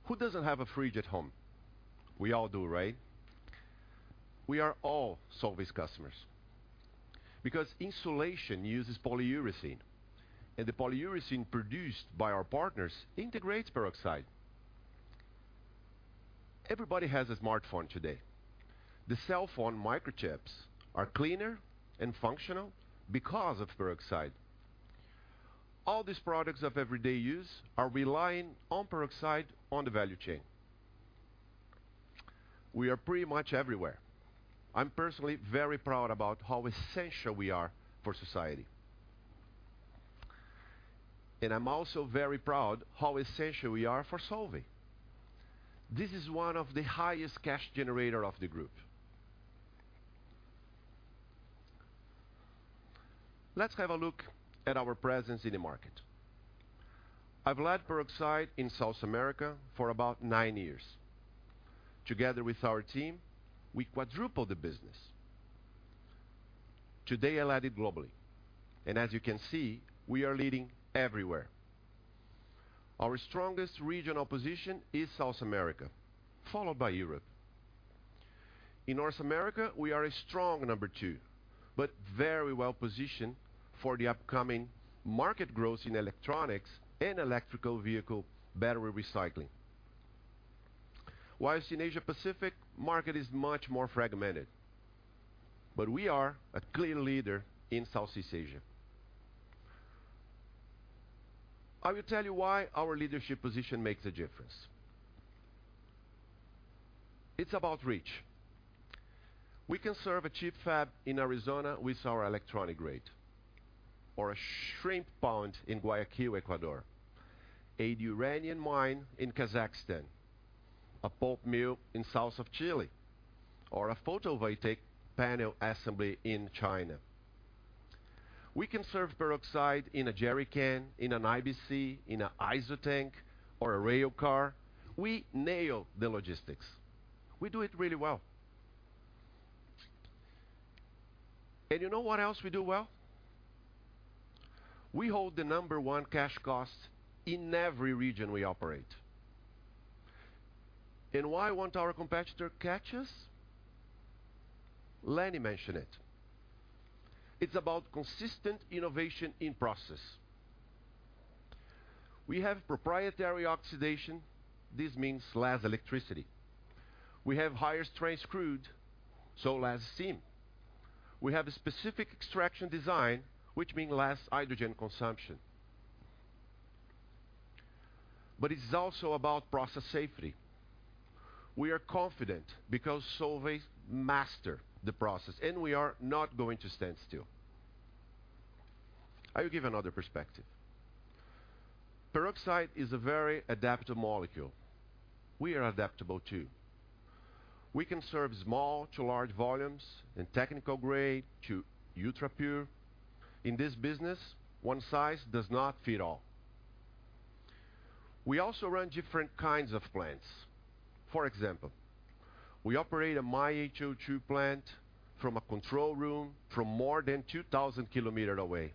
Who doesn't have a fridge at home? We all do, right? We are all Solvay's customers because insulation uses polyurethane, and the polyurethane produced by our partners integrates peroxide. Everybody has a smartphone today. The cell phone microchips are cleaner and functional because of peroxide. All these products of everyday use are relying on peroxide on the value chain. We are pretty much everywhere. I'm personally very proud about how essential we are for society. And I'm also very proud how essential we are for Solvay. This is one of the highest cash generator of the group. Let's have a look at our presence in the market. I've led Peroxides in South America for about 9 years. Together with our team, we quadrupled the business. Today, I lead it globally, and as you can see, we are leading everywhere. Our strongest regional position is South America, followed by Europe. In North America, we are a strong number two, but very well positioned for the upcoming market growth in electronics and electric vehicle battery recycling. Whilst in Asia Pacific, market is much more fragmented, but we are a clear leader in Southeast Asia. I will tell you why our leadership position makes a difference. It's about reach. We can serve a chip fab in Arizona with our electronic grade, or a shrimp pond in Guayaquil, Ecuador, a uranium mine in Kazakhstan, a pulp mill in south of Chile, or a photovoltaic panel assembly in China. We can serve peroxide in a jerrycan, in an IBC, in an ISO tank, or a rail car. We nail the logistics. We do it really well. And you know what else we do well? We hold the number one cash cost in every region we operate. And why won't our competitor catch us? Lanny mentioned it. It's about consistent innovation in process. We have proprietary oxidation. This means less electricity. We have higher strength crude, so less steam. We have a specific extraction design, which mean less hydrogen consumption. But it's also about process safety. We are confident because Solvay master the process, and we are not going to stand still. I will give another perspective. Peroxide is a very adaptive molecule. We are adaptable, too. We can serve small to large volumes and technical grade to ultrapure. In this business, one size does not fit all. We also run different kinds of plants. For example, we operate our H2O2 plant from a control room from more than 2,000Km away.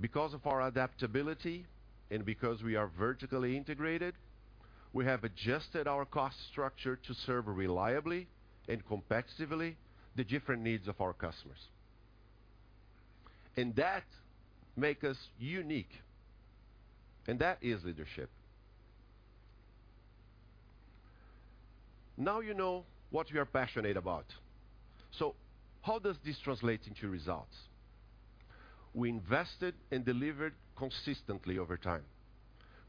Because of our adaptability and because we are vertically integrated, we have adjusted our cost structure to serve reliably and competitively the different needs of our customers. That make us unique, and that is leadership. Now you know what we are passionate about. So how does this translate into results? We invested and delivered consistently over time,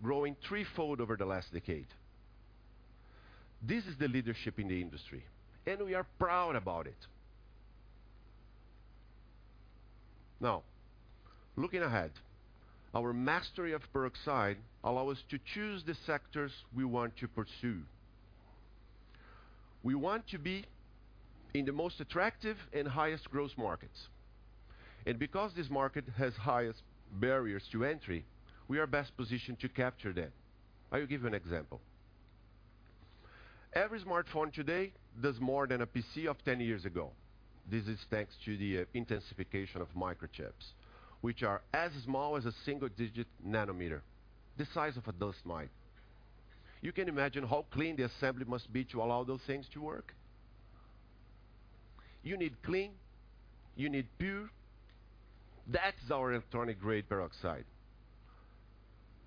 growing threefold over the last decade. This is the leadership in the industry, and we are proud about it. Now, looking ahead, our mastery of peroxide allow us to choose the sectors we want to pursue. We want to be in the most attractive and highest growth markets, and because this market has highest barriers to entry, we are best positioned to capture that. I will give you an example. Every smartphone today does more than a PC of 10 years ago. This is thanks to the intensification of microchips, which are as small as a single-digit nanometer, the size of a dust mite. You can imagine how clean the assembly must be to allow those things to work? You need clean, you need pure. That's our electronic-grade peroxide.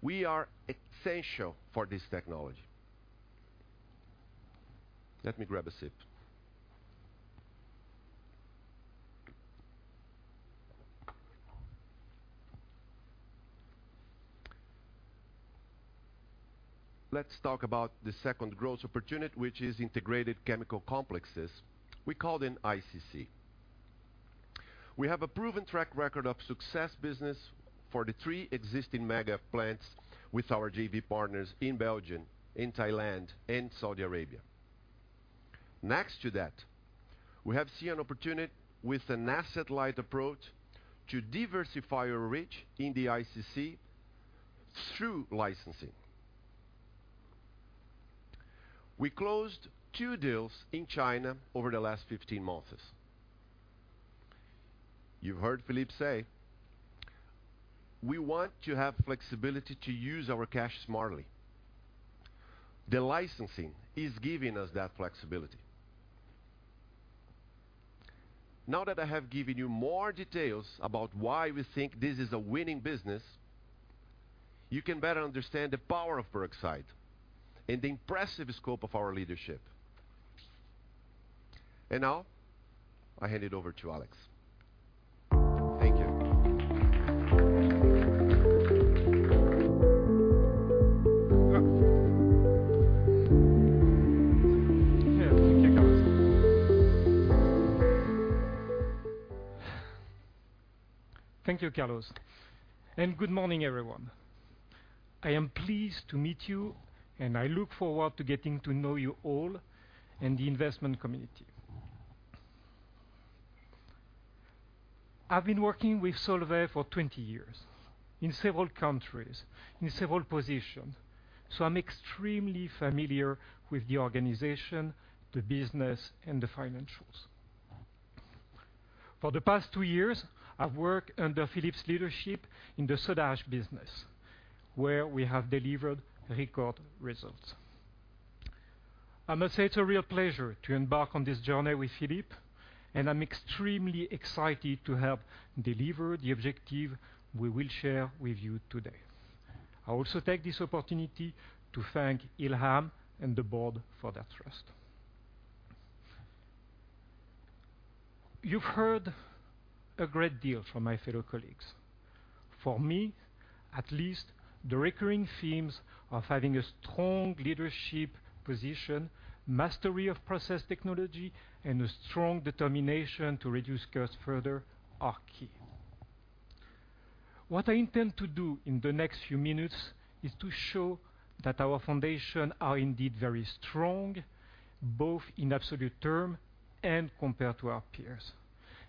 We are essential for this technology. Let me grab a sip. Let's talk about the second growth opportunity, which is integrated chemical complexes. We call them ICC. We have a proven track record of success business for the three existing mega plants with our JV partners in Belgium, in Thailand, and Saudi Arabia. Next to that, we have seen an opportunity with an asset-light approach to diversify our reach in the ICC through licensing. We closed two deals in China over the last 15 months. You heard Philippe say, we want to have flexibility to use our cash smartly. The licensing is giving us that flexibility. Now that I have given you more details about why we think this is a winning business, you can better understand the power of peroxide and the impressive scope of our leadership. Now I hand it over to Alex. Thank you. Thank you, Carlos. Good morning, everyone. I am pleased to meet you, and I look forward to getting to know you all and the investment community. I've been working with Solvay for 20 years, in several countries, in several positions, so I'm extremely familiar with the organization, the business, and the financials. For the past two years, I've worked under Philippe's leadership in the soda ash business, where we have delivered record results. I must say, it's a real pleasure to embark on this journey with Philippe, and I'm extremely excited to help deliver the objective we will share with you today. I also take this opportunity to thank Ilham and the board for that trust. You've heard a great deal from my fellow colleagues. For me, at least, the recurring themes of having a strong leadership position, mastery of process technology, and a strong determination to reduce costs further are key. What I intend to do in the next few minutes is to show that our foundation are indeed very strong, both in absolute term and compared to our peers,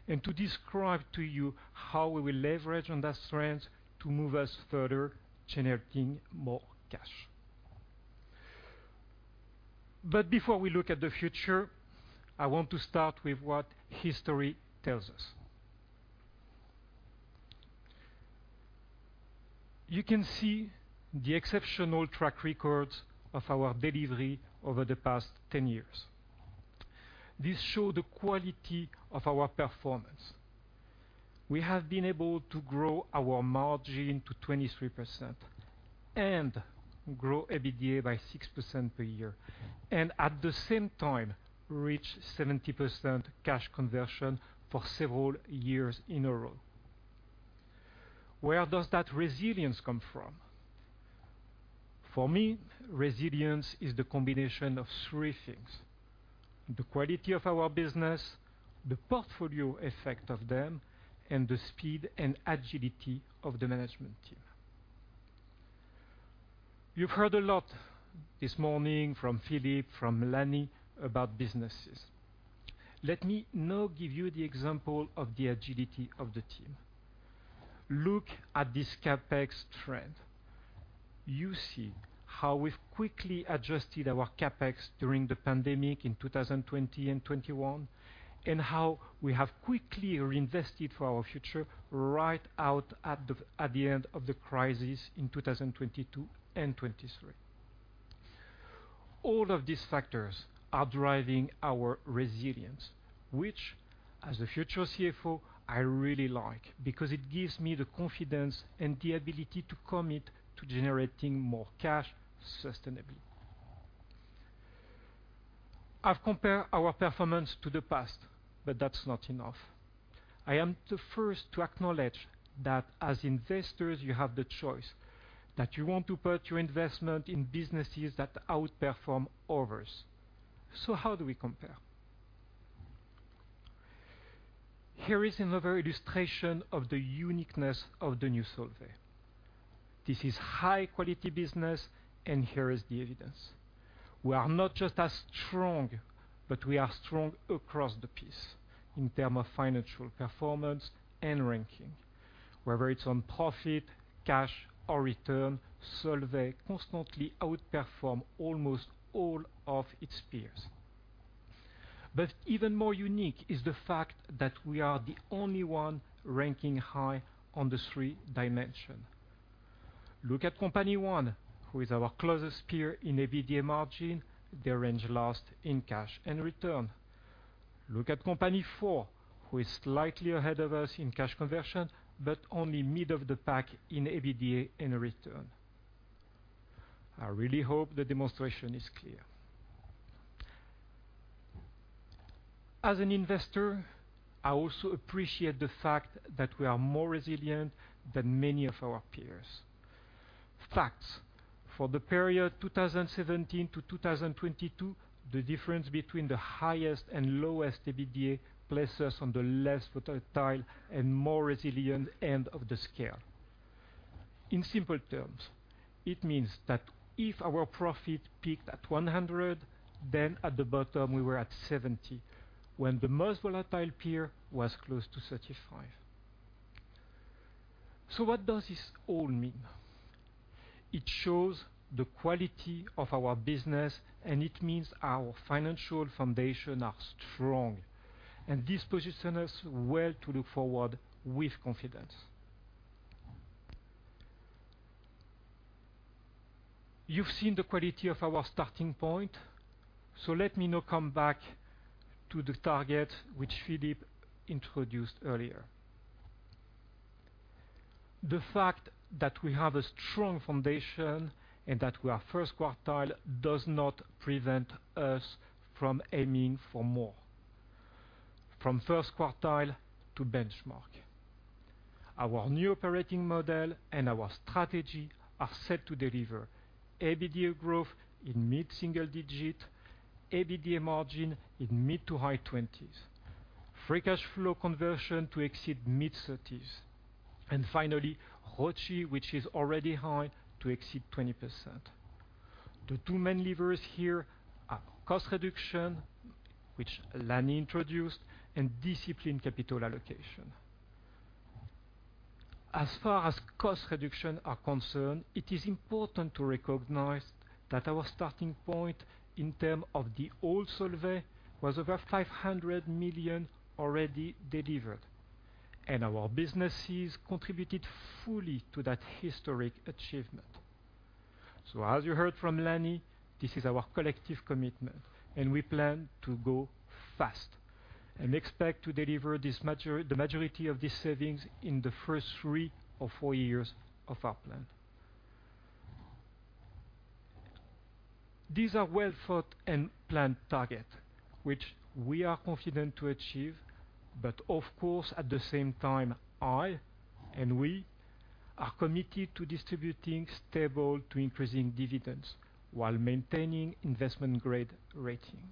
and to describe to you how we will leverage on that strength to move us further, generating more cash. But before we look at the future, I want to start with what history tells us. You can see the exceptional track records of our delivery over the past 10 years. This show the quality of our performance. We have been able to grow our margin to 23% and grow EBITDA by 6% per year, and at the same time, reach 70% cash conversion for several years in a row. Where does that resilience come from? For me, resilience is the combination of three things: the quality of our business, the portfolio effect of them, and the speed and agility of the management team. You've heard a lot this morning from Philippe, from Lanny, about businesses. Let me now give you the example of the agility of the team. Look at this CapEx trend. You see how we've quickly adjusted our CapEx during the pandemic in 2020 and 2021, and how we have quickly reinvested for our future, right out at the end of the crisis in 2022 and 2023. All of these factors are driving our resilience, which, as a future CFO, I really like, because it gives me the confidence and the ability to commit to generating more cash sustainably. I've compared our performance to the past, but that's not enough. I am the first to acknowledge that as investors, you have the choice, that you want to put your investment in businesses that outperform others. So how do we compare? Here is another illustration of the uniqueness of the new Solvay. This is high-quality business, and here is the evidence. We are not just as strong, but we are strong across the board in terms of financial performance and ranking. Whether it's on profit, cash, or return, Solvay constantly outperform almost all of its peers. But even more unique is the fact that we are the only one ranking high on the three dimensions. Look at company one, who is our closest peer in EBITDA margin. They rank last in cash and return. Look at company four, who is slightly ahead of us in cash conversion, but only mid of the pack in EBITDA and return. I really hope the demonstration is clear. As an investor, I also appreciate the fact that we are more resilient than many of our peers. Facts: for the period 2017 to 2022, the difference between the highest and lowest EBITDA places us on the less volatile and more resilient end of the scale. In simple terms, it means that if our profit peaked at 100, then at the bottom we were at 70, when the most volatile peer was close to 35. So what does this all mean? It shows the quality of our business, and it means our financial foundation are strong, and this positions us well to look forward with confidence. You've seen the quality of our starting point, so let me now come back to the target which Philippe introduced earlier. The fact that we have a strong foundation and that we are first quartile does not prevent us from aiming for more, from first quartile to benchmark. Our new operating model and our strategy are set to deliver EBITDA growth in mid-single digit, EBITDA margin in mid- to high-20s, free cash flow conversion to exceed mid-30s, and finally, ROCE, which is already high, to exceed 20%. The two main levers here are cost reduction, which Lanny introduced, and disciplined capital allocation. As far as cost reduction are concerned, it is important to recognize that our starting point in terms of the old Solvay was over 500 million already delivered, and our businesses contributed fully to that historic achievement. So as you heard from Lanny, this is our collective commitment, and we plan to go fast and expect to deliver the majority of these savings in the first three or four years of our plan. These are well thought and planned targets, which we are confident to achieve, but of course, at the same time, I, and we, are committed to distributing stable to increasing dividends while maintaining investment-grade rating.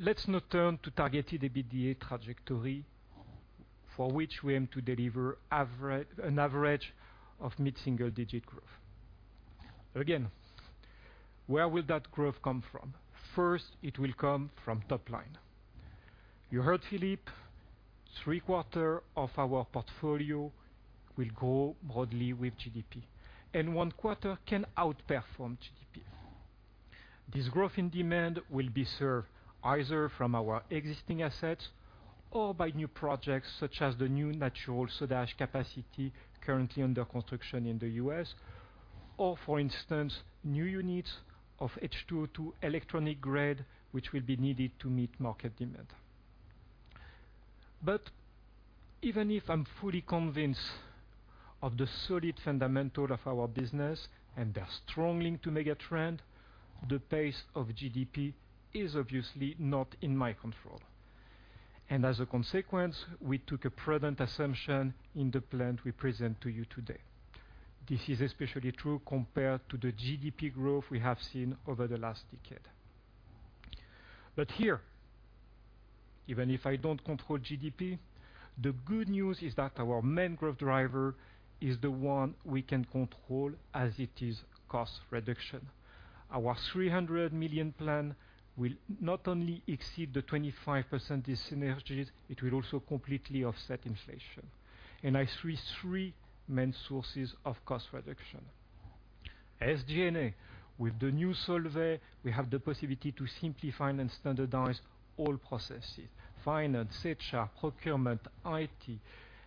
Let's now turn to targeted EBITDA trajectory, for which we aim to deliver an average of mid-single-digit growth. Again, where will that growth come from? First, it will come from top line. You heard Philippe, three-quarters of our portfolio will grow broadly with GDP, and one-quarter can outperform GDP. This growth in demand will be served either from our existing assets or by new projects, such as the new natural soda ash capacity currently under construction in the U.S., or, for instance, new units of H2O2 electronic grade, which will be needed to meet market demand. But even if I'm fully convinced of the solid fundamentals of our business and their strong link to megatrends, the pace of GDP is obviously not in my control. And as a consequence, we took a prudent assumption in the plan we present to you today. This is especially true compared to the GDP growth we have seen over the last decade. But here, even if I don't control GDP, the good news is that our main growth driver is the one we can control as it is cost reduction. Our 300 million plan will not only exceed the 25% dyssynergies, it will also completely offset inflation. I see three main sources of cost reduction. As DNA, with the new Solvay, we have the possibility to simplify and standardize all processes, finance, HR, procurement, IT,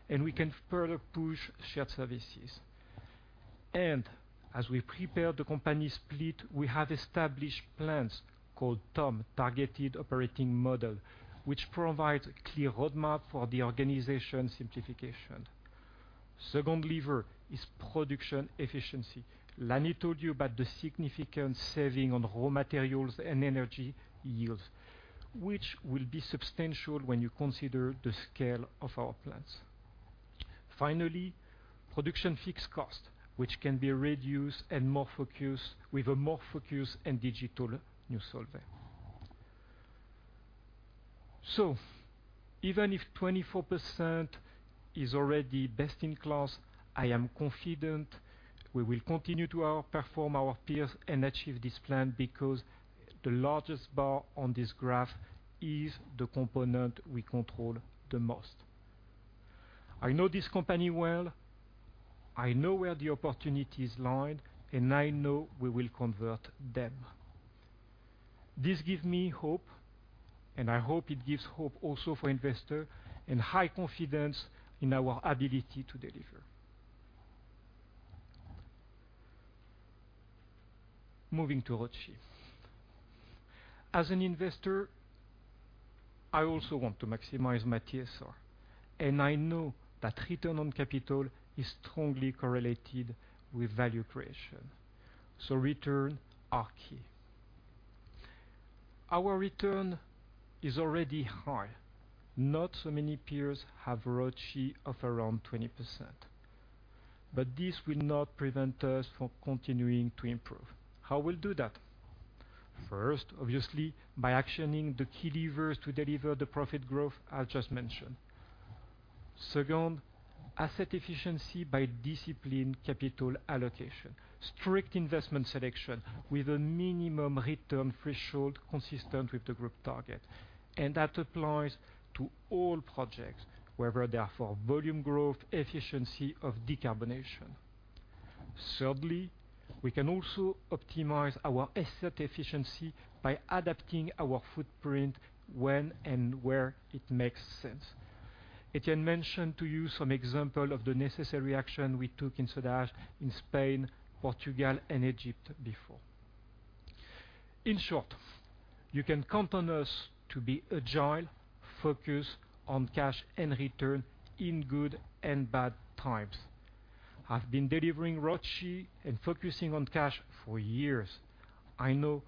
and we can further push shared services. And as we prepare the company split, we have established plans called TOM, Targeted Operating Model, which provides a clear roadmap for the organization simplification. Second lever is production efficiency. Lanny told you about the significant saving on raw materials and energy yields, which will be substantial when you consider the scale of our plans. Finally, production fixed cost, which can be reduced and more focused, with a more focused and digital new Solvay. So even if 24% is already best in class, I am confident we will continue to outperform our peers and achieve this plan, because the largest bar on this graph is the component we control the most. I know this company well, I know where the opportunities lie, and I know we will convert them. This gives me hope, and I hope it gives hope also for investor and high confidence in our ability to deliver. Moving to ROCE. As an investor, I also want to maximize my TSR, and I know that return on capital is strongly correlated with value creation, so return are key. Our return is already high. Not so many peers have ROCE of around 20%, but this will not prevent us from continuing to improve. How we'll do that? First, obviously, by actioning the key levers to deliver the profit growth I just mentioned. Second, asset efficiency by discipline, capital allocation, strict investment selection with a minimum return threshold consistent with the group target, and that applies to all projects, whether they are for volume growth, efficiency, or decarbonation. Thirdly, we can also optimize our asset efficiency by adapting our footprint when and where it makes sense. Etienne mentioned to you some example of the necessary action we took in soda ash in Spain, Portugal and Egypt before. In short, you can count on us to be agile, focused on cash and return in good and bad times. I've been delivering ROCE and focusing on cash for years. I know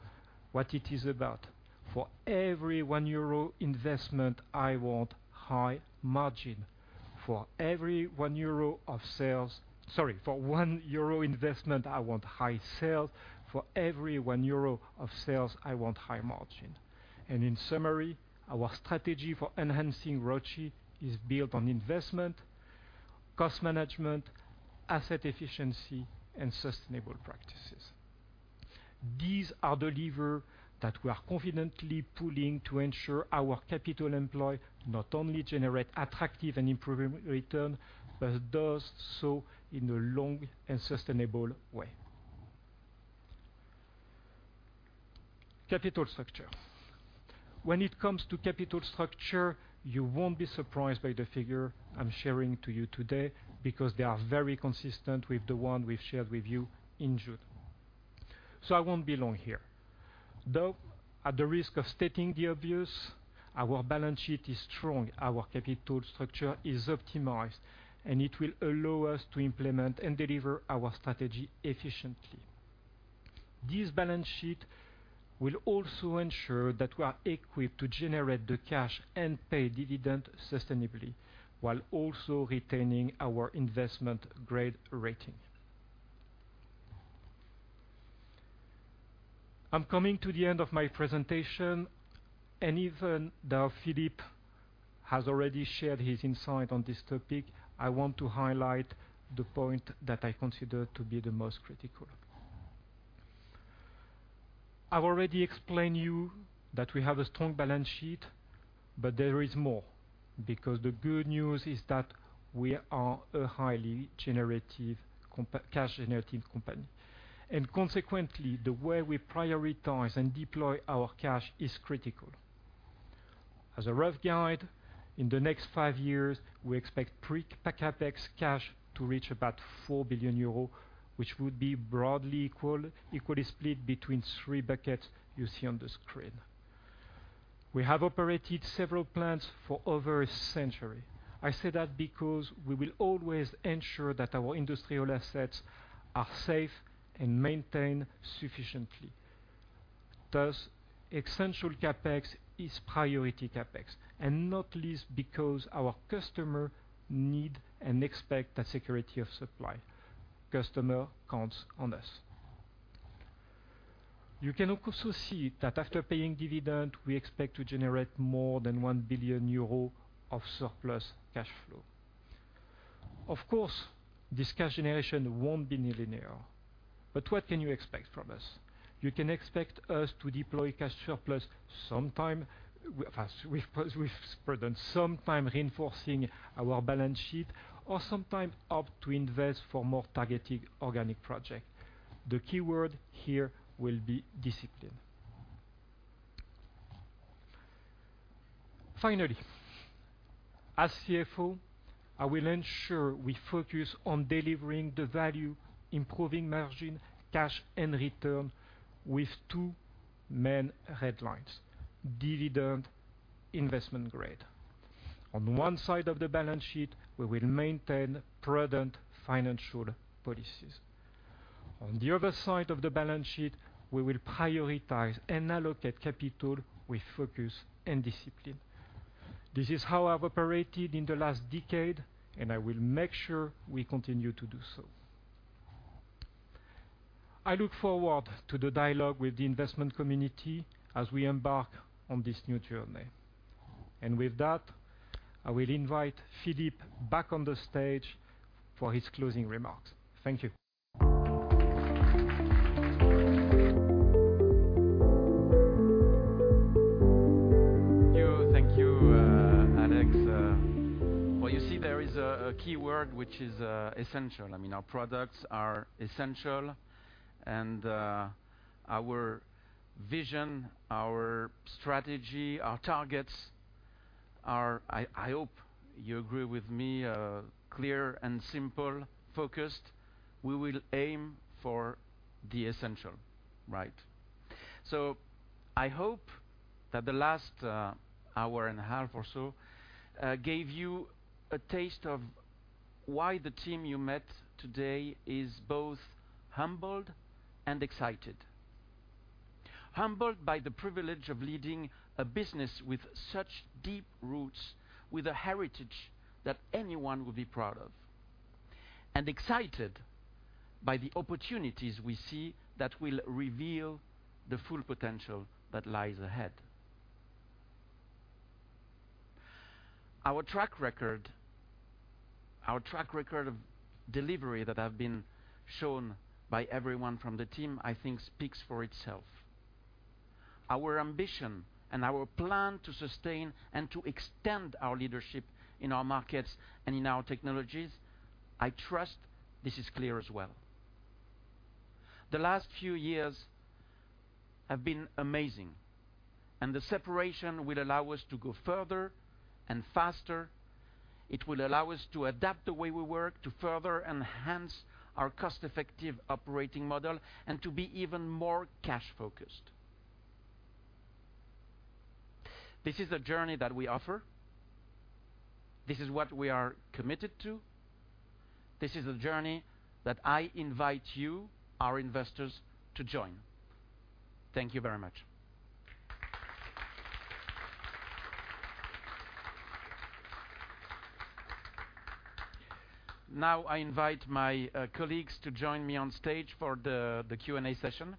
what it is about. For every 1 euro investment, I want high margin. For every 1 euro of sales. Sorry, for 1 euro investment, I want high sales. For every one EUR of sales, I want high margin. In summary, our strategy for enhancing ROCE is built on investment, cost management, asset efficiency, and sustainable practices. These are the lever that we are confidently pulling to ensure our capital employed not only generate attractive and improving return, but does so in a long and sustainable way. Capital structure. When it comes to capital structure, you won't be surprised by the figure I'm sharing to you today, because they are very consistent with the one we've shared with you in June, so I won't be long here. Though, at the risk of stating the obvious, our balance sheet is strong, our capital structure is optimized, and it will allow us to implement and deliver our strategy efficiently. This balance sheet will also ensure that we are equipped to generate the cash and pay dividend sustainably, while also retaining our investment grade rating. I'm coming to the end of my presentation, and even though Philippe has already shared his insight on this topic, I want to highlight the point that I consider to be the most critical. I've already explained you that we have a strong balance sheet, but there is more, because the good news is that we are a highly generative cash-generating company, and consequently, the way we prioritize and deploy our cash is critical. As a rough guide, in the next five years, we expect pre-CapEx cash to reach about 4 billion euro, which would be broadly equal, equally split between three buckets you see on the screen. We have operated several plants for over a century. I say that because we will always ensure that our industrial assets are safe and maintained sufficiently. Thus, essential CapEx is priority CapEx, and not least because our customer need and expect that security of supply. Customer counts on us. You can also see that after paying dividend, we expect to generate more than 1 billion euro of surplus cash flow. Of course, this cash generation won't be linear, but what can you expect from us? You can expect us to deploy cash surplus sometime, as we've spread on sometime reinforcing our balance sheet or sometime opt to invest for more targeted organic project. The key word here will be discipline. Finally, as CFO, I will ensure we focus on delivering the value, improving margin, cash, and return with two main headlines: dividend, Investment Grade. On one side of the balance sheet, we will maintain prudent financial policies. On the other side of the balance sheet, we will prioritize and allocate capital with focus and discipline. This is how I've operated in the last decade, and I will make sure we continue to do so. I look forward to the dialogue with the investment community as we embark on this new journey. With that, I will invite Philippe back on the stage for his closing remarks. Thank you. Thank you. Thank you, Alex. Well, you see there is a key word, which is essential. I mean, our products are essential, and our vision, our strategy, our targets are, I hope you agree with me, clear and simple, focused. We will aim for the essential, right? So I hope that the last hour and a half or so gave you a taste of why the team you met today is both humbled and excited. Humbled by the privilege of leading a business with such deep roots, with a heritage that anyone would be proud of. And excited by the opportunities we see that will reveal the full potential that lies ahead. Our track record, our track record of delivery that have been shown by everyone from the team, I think speaks for itself. Our ambition and our plan to sustain and to extend our leadership in our markets and in our technologies, I trust this is clear as well. The last few years have been amazing, and the separation will allow us to go further and faster. It will allow us to adapt the way we work, to further enhance our cost-effective operating model, and to be even more cash focused. This is the journey that we offer. This is what we are committed to. This is the journey that I invite you, our investors, to join. Thank you very much. Now, I invite my colleagues to join me on stage for the Q&A session.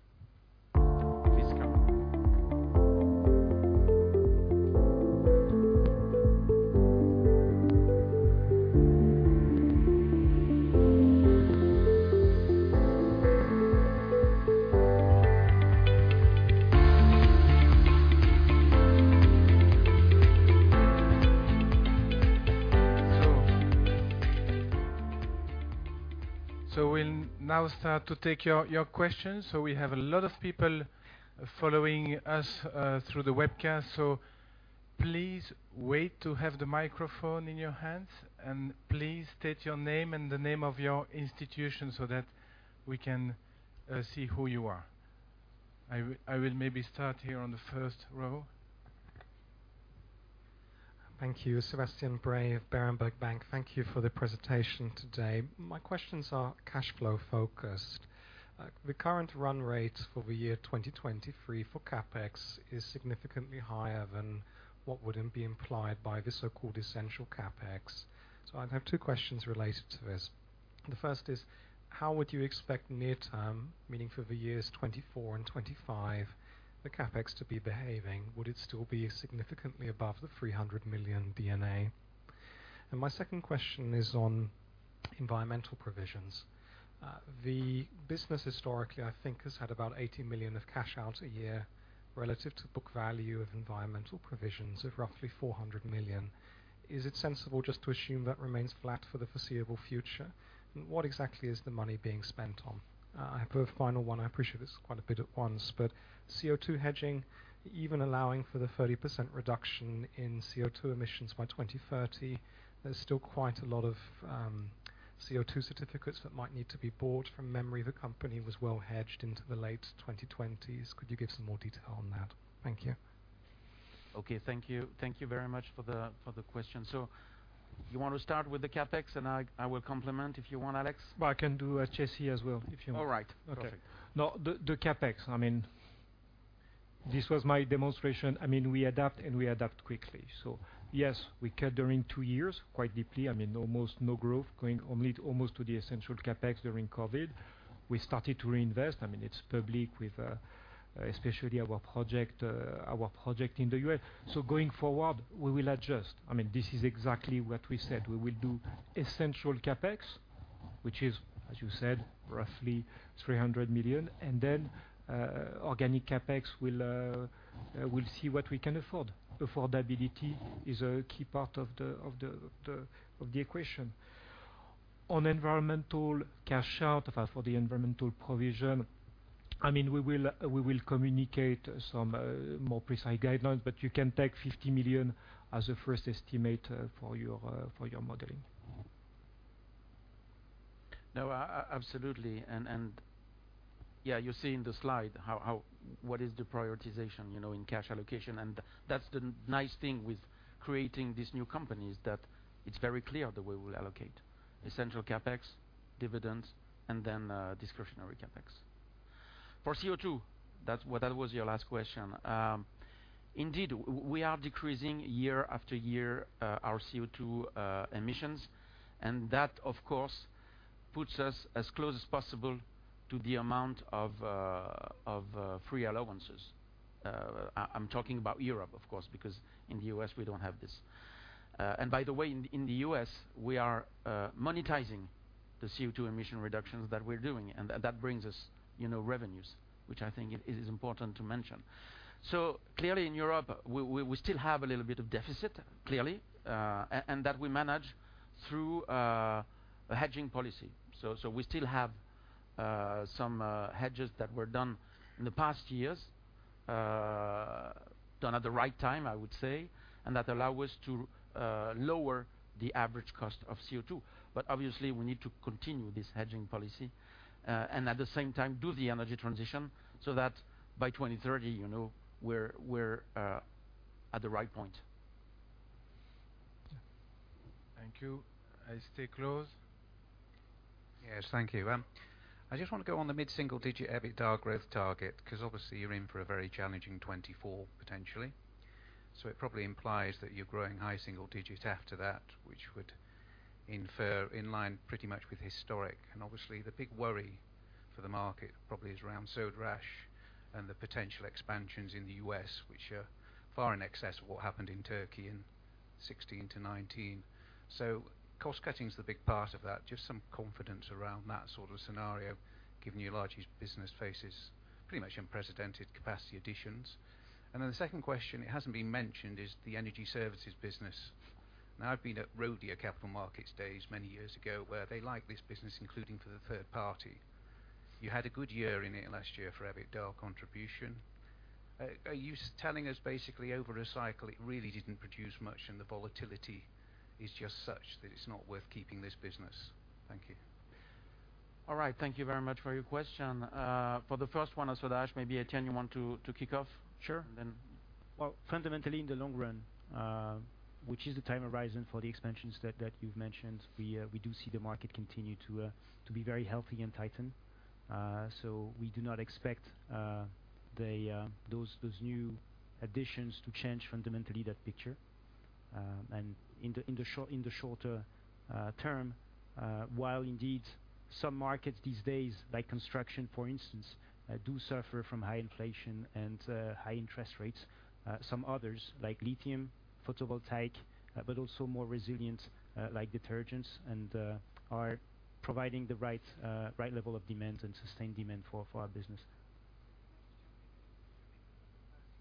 Please come. So we'll now start to take your questions. So we have a lot of people following us through the webcast, so please wait to have the microphone in your hands, and please state your name and the name of your institution so that we can see who you are. I will maybe start here on the first row. Thank you. Sebastian Bray of Berenberg Bank. Thank you for the presentation today. My questions are cash flow focused. The current run rate for the year 2023 for CapEx is significantly higher than what would be implied by the so-called essential CapEx. So I have two questions related to this. The first is, how would you expect near term, meaning for the years 2024 and 2025, the CapEx to be behaving? Would it still be significantly above the 300 million? And my second question is on environmental provisions. The business historically, I think, has had about 80 million of cash out a year relative to book value of environmental provisions of roughly 400 million. Is it sensible just to assume that remains flat for the foreseeable future? And what exactly is the money being spent on? I have a final one. I appreciate it's quite a bit at once, but CO₂ hedging, even allowing for the 30% reduction in CO₂ emissions by 2030, there's still quite a lot of CO₂ certificates that might need to be bought. From memory, the company was well hedged into the late 2020s. Could you give some more detail on that? Thank you. Okay, thank you. Thank you very much for the question. So you want to start with the CapEx, and I will complement if you want, Alex? Well, I can do HC as well, if you want. All right. Okay. Perfect. Now, the CapEx, I mean, this was my demonstration. I mean, we adapt and we adapt quickly. So yes, we cut during two years, quite deeply, I mean, almost no growth, going only almost to the essential CapEx during COVID. We started to reinvest. I mean, it's public with, especially our project, our project in the US. So going forward, we will adjust. I mean, this is exactly what we said. We will do essential CapEx, which is, as you said, roughly 300 million, and then, organic CapEx, we'll see what we can afford. Affordability is a key part of the equation. On environmental cash out for the environmental provision, I mean, we will communicate some more precise guidelines, but you can take 50 million as a first estimate for your modeling. No, absolutely. And yeah, you see in the slide how what is the prioritization, you know, in cash allocation, and that's the nice thing with creating these new companies, that it's very clear the way we'll allocate: essential CapEx, dividends, and then discretionary CapEx. For CO₂, that's what that was your last question. Indeed, we are decreasing year after year our CO₂ emissions, and that, of course, puts us as close as possible to the amount of free allowances. I'm talking about Europe, of course, because in the U.S., we don't have this. And by the way, in the U.S., we are monetizing the CO₂ emission reductions that we're doing, and that brings us, you know, revenues, which I think is important to mention. So clearly, in Europe, we still have a little bit of deficit, clearly, and that we manage through a hedging policy. So we still have some hedges that were done in the past years, done at the right time, I would say, and that allow us to lower the average cost of CO₂. But obviously, we need to continue this hedging policy, and at the same time, do the energy transition, so that by 2030, you know, we're at the right point. Thank you. I stay close. Yes, thank you. I just want to go on the mid-single digit EBITDA growth target, 'cause obviously you're in for a very challenging 2024, potentially. So it probably implies that you're growing high single digits after that, which would infer in line pretty much with historic. And obviously, the big worry for the market probably is around soda ash and the potential expansions in the U.S., which are far in excess of what happened in Turkey in 2016-2019. So cost cutting is the big part of that. Just some confidence around that sort of scenario, given your largest business faces pretty much unprecedented capacity additions. And then the second question, it hasn't been mentioned, is the energy services business. Now, I've been at Rhodia Capital Markets days, many years ago, where they like this business, including for the third party. You had a good year in it last year for EBITDA contribution. Are you telling us basically over a cycle, it really didn't produce much, and the volatility is just such that it's not worth keeping this business? Thank you. All right. Thank you very much for your question. For the first one on soda ash, maybe, Etienne, you want to kick off? Sure. And then- Well, fundamentally, in the long run, which is the time horizon for the expansions that you've mentioned, we do see the market continue to be very healthy and tighten. So we do not expect those new additions to change fundamentally that picture. And in the shorter term, while indeed some markets these days, like construction, for instance, do suffer from high inflation and high interest rates, some others, like lithium, photovoltaic, but also more resilient, like detergents, and are providing the right level of demand and sustained demand for our business.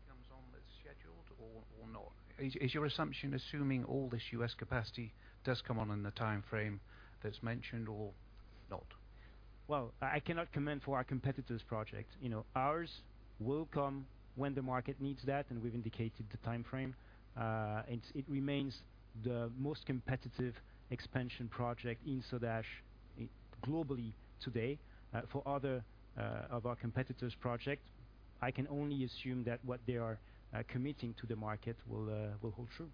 Comes on as scheduled or not? Is your assumption assuming all this U.S. capacity does come on in the time frame that's mentioned or not? Well, I cannot comment for our competitors' project. You know, ours will come when the market needs that, and we've indicated the time frame. And it remains the most competitive expansion project in Soda Ash globally today. For other of our competitors' project, I can only assume that what they are committing to the market will hold true.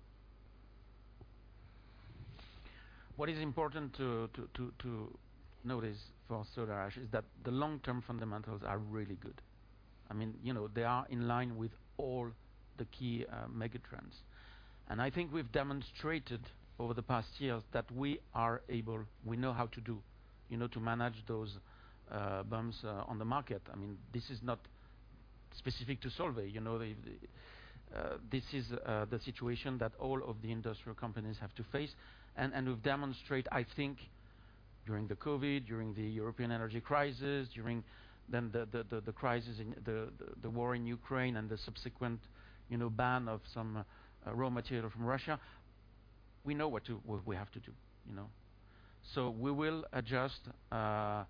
What is important to notice for soda ash is that the long-term fundamentals are really good. I mean, you know, they are in line with all the key mega trends. And I think we've demonstrated over the past years that we are able, we know how to do, you know, to manage those bumps on the market. I mean, this is not specific to Solvay. You know, this is the situation that all of the industrial companies have to face, and we've demonstrated, I think, during the COVID, during the European energy crisis, during the war in Ukraine and the subsequent, you know, ban of some raw material from Russia. We know what we have to do, you know? So we will adjust our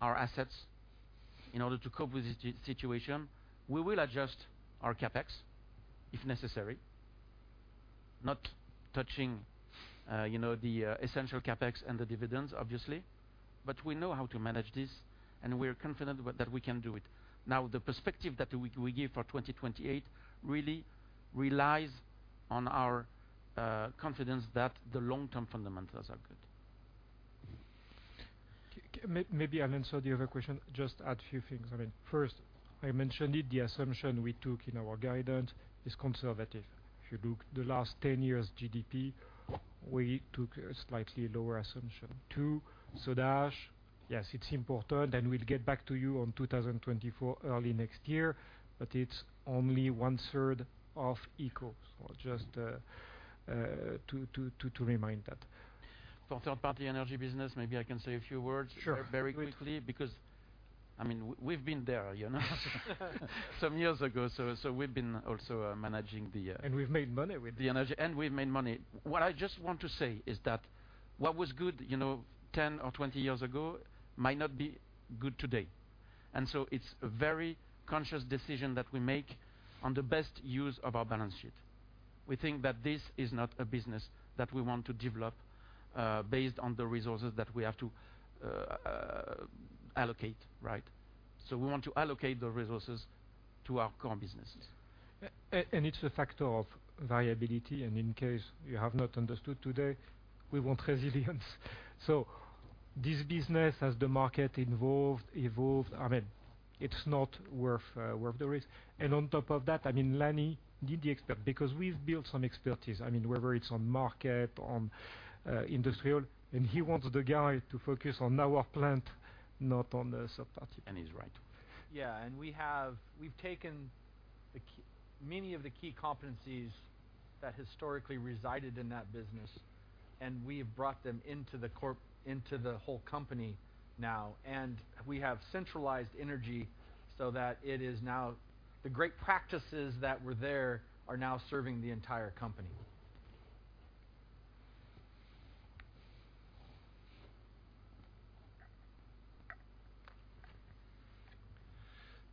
assets in order to cope with the situation. We will adjust our CapEx, if necessary, not touching, you know, the essential CapEx and the dividends, obviously. But we know how to manage this, and we are confident with that we can do it. Now, the perspective that we give for 2028 really relies on our confidence that the long-term fundamentals are good. Maybe I'll answer the other question, just add a few things. I mean, first, I mentioned it, the assumption we took in our guidance is conservative. If you look at the last 10 years' GDP, we took a slightly lower assumption. Two, Soda Ash, yes, it's important, and we'll get back to you on 2024, early next year, but it's only one third of EBITDA. So just to remind that. For third-party energy business, maybe I can say a few words- Sure. Very quickly, because, I mean, we've been there, you know, some years ago, so, so we've been also managing the, We've made money with it. The energy. We've made money. What I just want to say is that what was good, you know, 10 or 20 years ago, might not be good today. So it's a very conscious decision that we make on the best use of our balance sheet. We think that this is not a business that we want to develop based on the resources that we have to allocate, right? So we want to allocate the resources to our core businesses. And it's a factor of viability, and in case you have not understood today, we want resilience. So this business, as the market involved, evolved, I mean, it's not worth the risk. And on top of that, I mean, Lanny need the expert, because we've built some expertise. I mean, whether it's on market, on industrial, and he wants the guy to focus on our plant, not on the third party. He's right. Yeah, and we've taken the key, many of the key competencies that historically resided in that business, and we have brought them into the corp, into the whole company now. And we have centralized energy so that it is now the great practices that were there are now serving the entire company.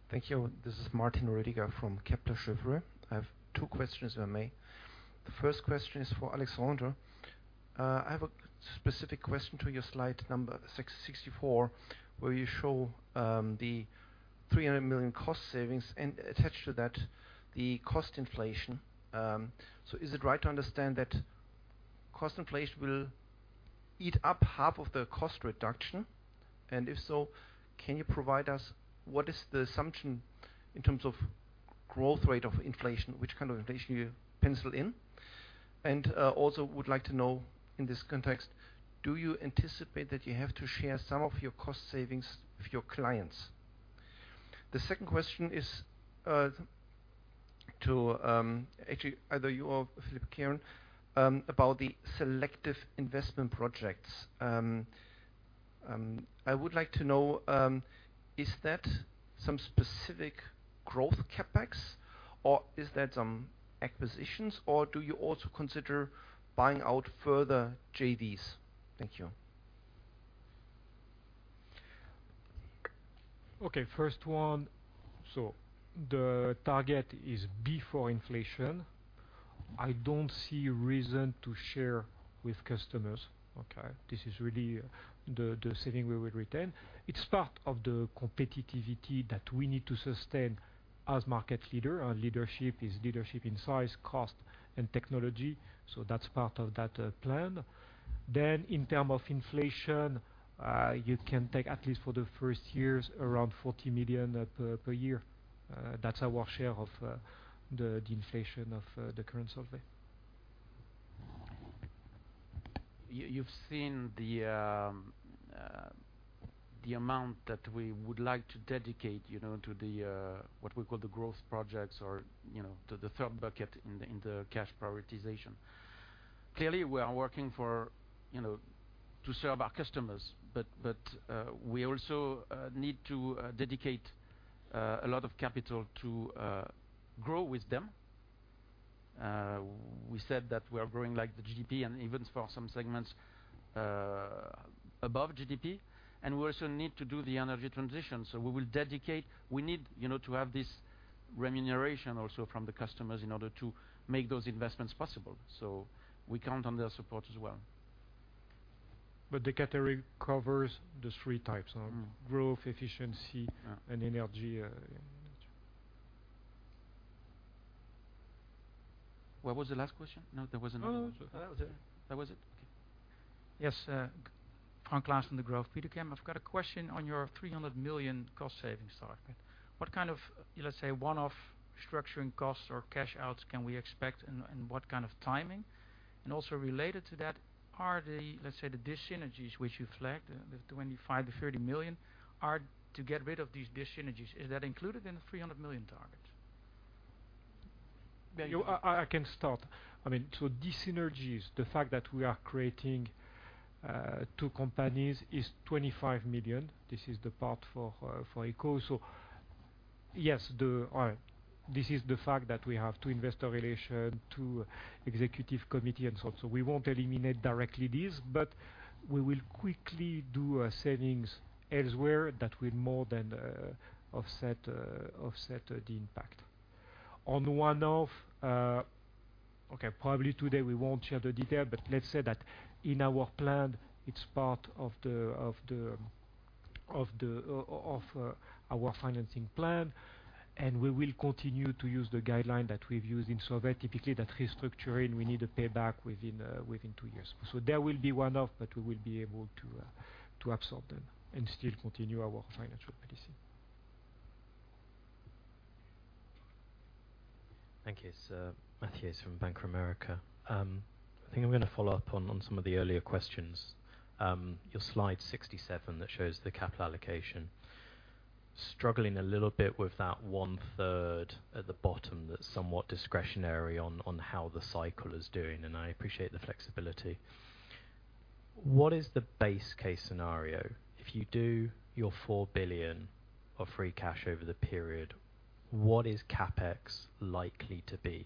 Thank you. This is Martin Rüdiger from Kepler Cheuvreux. I have two questions, if I may. The first question is for Alexandre. I have a specific question to your slide number 6, 64, where you show the 300 million cost savings and attached to that, the cost inflation. So is it right to understand that cost inflation will eat up half of the cost reduction? And if so, can you provide us what is the assumption in terms of growth rate of inflation? Which kind of inflation you pencil in? And also would like to know in this context, do you anticipate that you have to share some of your cost savings with your clients? The second question is to actually, either you or Philippe Kehren about the selective investment projects. I would like to know, is that some specific growth CapEx, or is that some acquisitions, or do you also consider buying out further JVs? Thank you. Okay, first one, so the target is before inflation. I don't see a reason to share with customers, okay? This is really the saving we will retain. It's part of the competitiveness that we need to sustain as market leader. Our leadership is leadership in size, cost, and technology, so that's part of that plan. Then in terms of inflation, you can take at least for the first years, around 40 million per year. That's our share of the inflation of the current Solvay. You've seen the amount that we would like to dedicate, you know, to what we call the growth projects or, you know, to the third bucket in the cash prioritization. Clearly, we are working for, you know, to serve our customers, but we also need to dedicate a lot of capital to grow with them. We said that we are growing like the GDP and even for some segments above GDP, and we also need to do the energy transition. So we will dedicate. We need, you know, to have this remuneration also from the customers in order to make those investments possible. So we count on their support as well. The category covers the three types- Mm-hmm. of growth, efficiency Yeah. -and energy, yeah. ...What was the last question? No, there was another one. No, no, that was it. That was it? Okay. Yes, Frank Claassen from Degroof Petercam. I've got a question on your 300 million cost savings target. What kind of, let's say, one-off structuring costs or cash outs can we expect, and what kind of timing? And also related to that, are the, let's say, the dyssynergies, which you flagged, the 25-30 million, are to get rid of these dyssynergies, is that included in the 300 million target? You, I can start. I mean, so dyssynergies, the fact that we are creating two companies is 25 million. This is the part for, for Eco. So yes, the this is the fact that we have two investor relation, two executive committee and so on. So we won't eliminate directly this, but we will quickly do savings elsewhere that will more than offset the impact. On one-off, okay, probably today we won't share the detail, but let's say that in our plan, it's part of our financing plan, and we will continue to use the guideline that we've used in Solvay. Typically, that restructuring, we need a payback within two years. So there will be one-off, but we will be able to absorb them and still continue our financial policy. Thank you, sir. Matthew from Bank of America. I think I'm gonna follow up on some of the earlier questions. Your slide 67 that shows the capital allocation. Struggling a little bit with that one-third at the bottom, that's somewhat discretionary on how the cycle is doing, and I appreciate the flexibility. What is the base case scenario? If you do your 4 billion of free cash over the period, what is CapEx likely to be?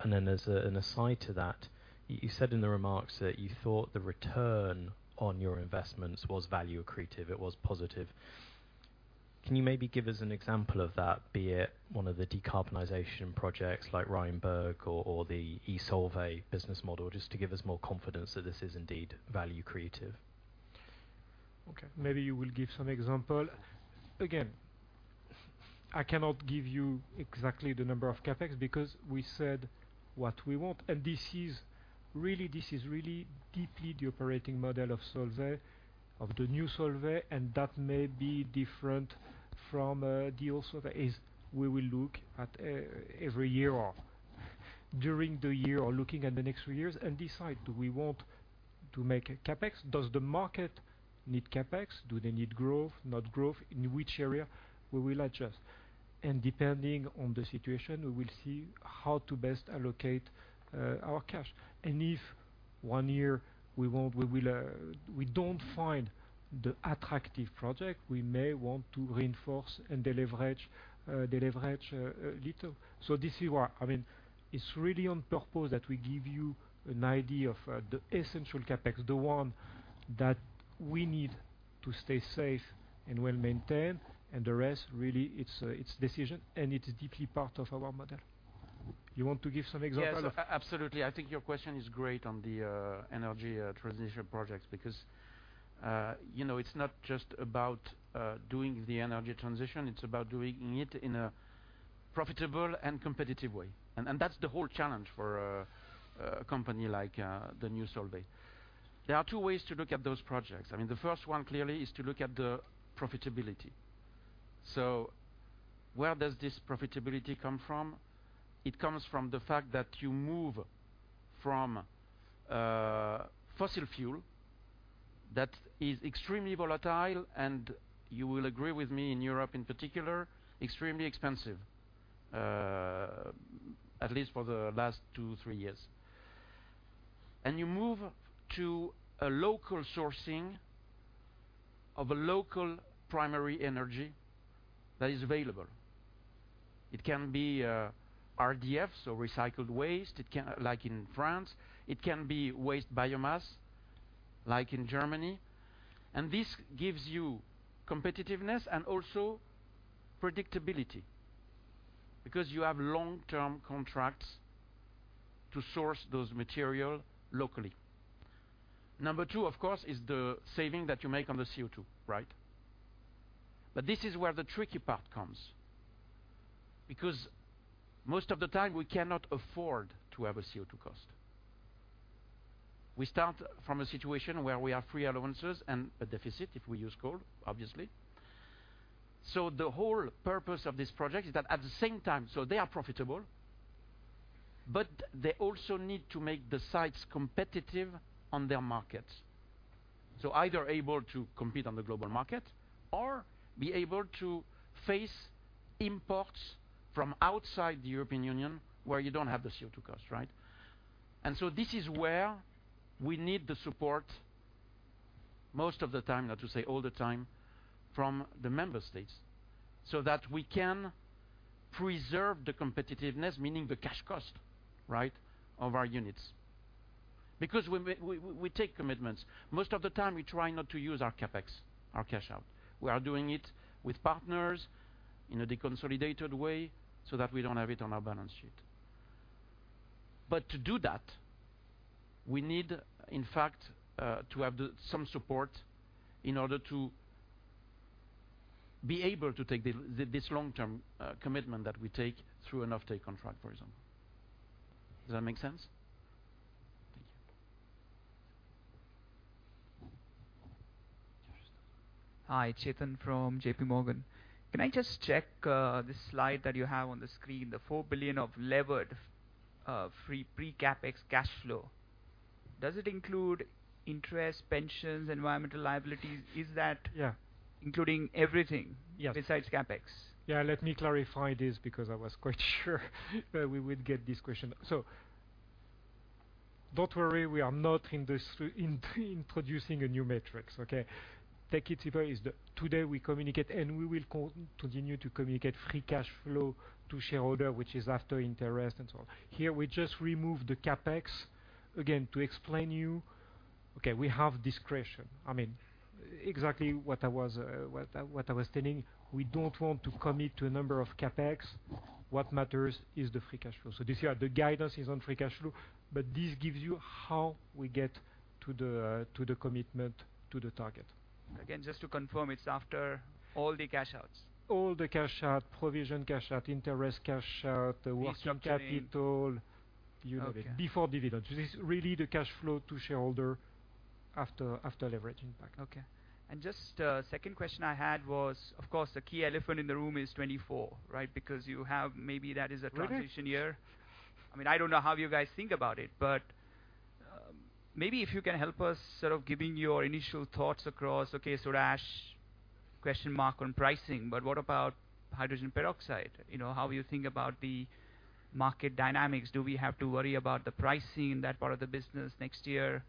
And then as an aside to that, you said in the remarks that you thought the return on your investments was value creative, it was positive. Can you maybe give us an example of that? Be it one of the decarbonization projects like Rheinberg or the eSolvay business model, just to give us more confidence that this is indeed value creative. Okay, maybe you will give some example. Again, I cannot give you exactly the number of CapEx because we said what we want. And this is really, this is really deeply the operating model of Solvay, of the new Solvay, and that may be different from the old Solvay. As we will look at every year or during the year or looking at the next few years and decide: do we want to make a CapEx? Does the market need CapEx? Do they need growth, not growth? In which area we will adjust. And depending on the situation, we will see how to best allocate our cash. And if one year we won't, we will, we don't find the attractive project, we may want to reinforce and deleverage, deleverage a little. So this is why. I mean, it's really on purpose that we give you an idea of, the essential CapEx, the one that we need to stay safe and well-maintained, and the rest, really, it's, it's decision, and it's deeply part of our model. You want to give some example of- Yes, absolutely. I think your question is great on the energy transition projects, because, you know, it's not just about doing the energy transition, it's about doing it in a profitable and competitive way. And that's the whole challenge for a company like the new Solvay. There are two ways to look at those projects. I mean, the first one, clearly, is to look at the profitability. So where does this profitability come from? It comes from the fact that you move from fossil fuel that is extremely volatile, and you will agree with me, in Europe in particular, extremely expensive, at least for the last two to three years. And you move to a local sourcing of a local primary energy that is available. It can be RDFs or recycled waste, it can like in France, it can be waste biomass, like in Germany. And this gives you competitiveness and also predictability, because you have long-term contracts to source those material locally. Number two, of course, is the saving that you make on the CO2, right? But this is where the tricky part comes, because most of the time, we cannot afford to have a CO2 cost. We start from a situation where we have free allowances and a deficit if we use coal, obviously. So the whole purpose of this project is that at the same time, so they are profitable, but they also need to make the sites competitive on their markets. So either able to compete on the global market or be able to face imports from outside the European Union, where you don't have the CO2 cost, right? And so this is where we need the support most of the time, not to say all the time, from the member states, so that we can preserve the competitiveness, meaning the cash cost, right, of our units. Because we take commitments. Most of the time, we try not to use our CapEx, our cash out. We are doing it with partners in a deconsolidated way so that we don't have it on our balance sheet. But to do that, we need, in fact, to have some support in order to be able to take the this long-term commitment that we take through an offtake contract, for example. Does that make sense? Thank you. Hi, Chetan from JP Morgan. Can I just check, the slide that you have on the screen, the 4 billion of levered free pre-CapEx cash flow. Does it include interest, pensions, environmental liabilities? Is that- Yeah. -including everything- Yes. -besides CapEx? Yeah, let me clarify this, because I was quite sure that we would get this question. So don't worry, we are not introducing a new metric, okay? Take it today is the, today we communicate, and we will continue to communicate free cash flow to shareholder, which is after interest and so on. Here, we just remove the CapEx. Again, to explain to you, okay, we have discretion. I mean, exactly what I was telling, we don't want to commit to a number of CapEx. What matters is the free cash flow. So this year, the guidance is on free cash flow, but this gives you how we get to the to the commitment, to the target. Again, just to confirm, it's after all the cash outs? All the cash out, provision cash out, interest cash out, the working capital- Okay. You know it. Before dividends. This is really the cash flow to shareholder after, after leverage impact. Okay. And just, second question I had was, of course, the key elephant in the room is 2024, right? Because you have maybe that is a transition year. Right. I mean, I don't know how you guys think about it, but, maybe if you can help us sort of giving your initial thoughts across, okay, Soda Ash, question mark on pricing, but what about Hydrogen Peroxide? You know, how you think about the market dynamics. Do we have to worry about the pricing, that part of the business next year?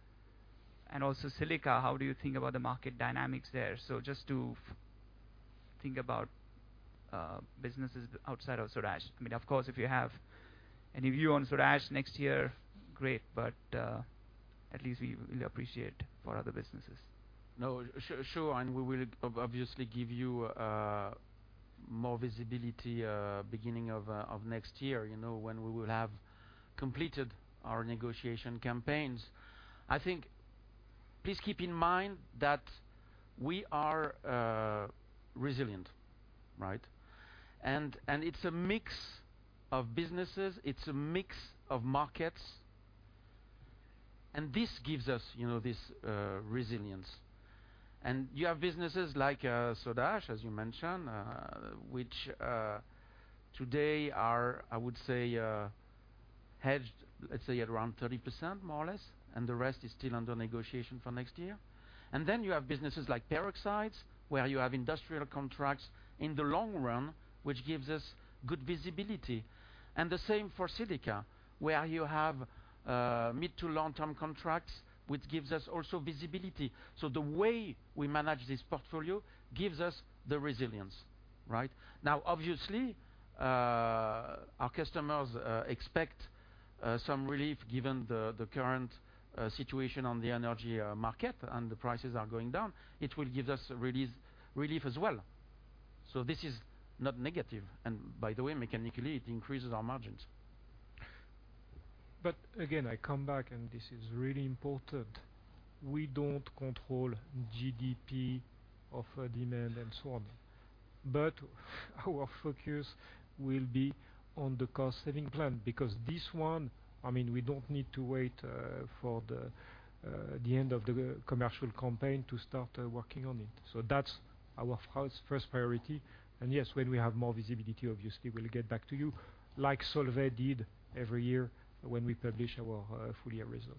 And also Silica, how do you think about the market dynamics there? So just to think about, businesses outside of Soda Ash. I mean, of course, if you have any view on Soda Ash next year, great, but, at least we will appreciate for other businesses. No, sure, and we will obviously give you more visibility beginning of next year, you know, when we will have completed our negotiation campaigns. I think, please keep in mind that we are resilient, right? And it's a mix of businesses, it's a mix of markets, and this gives us, you know, this resilience. And you have businesses like Soda Ash, as you mentioned, which today are, I would say, hedged, let's say, at around 30%, more or less, and the rest is still under negotiation for next year. And then you have businesses like Peroxides, where you have industrial contracts in the long run, which gives us good visibility. And the same for Silica, where you have mid to long-term contracts, which gives us also visibility. So the way we manage this portfolio gives us the resilience, right? Now, obviously, our customers expect some relief given the current situation on the energy market, and the prices are going down. It will give us relief, relief as well. So this is not negative, and by the way, mechanically, it increases our margins. But again, I come back, and this is really important. We don't control GDP, offer, demand, and so on. But our focus will be on the cost-saving plan, because this one, I mean, we don't need to wait for the end of the commercial campaign to start working on it. So that's our first, first priority. And yes, when we have more visibility, obviously, we'll get back to you, like Solvay did every year when we publish our full year result.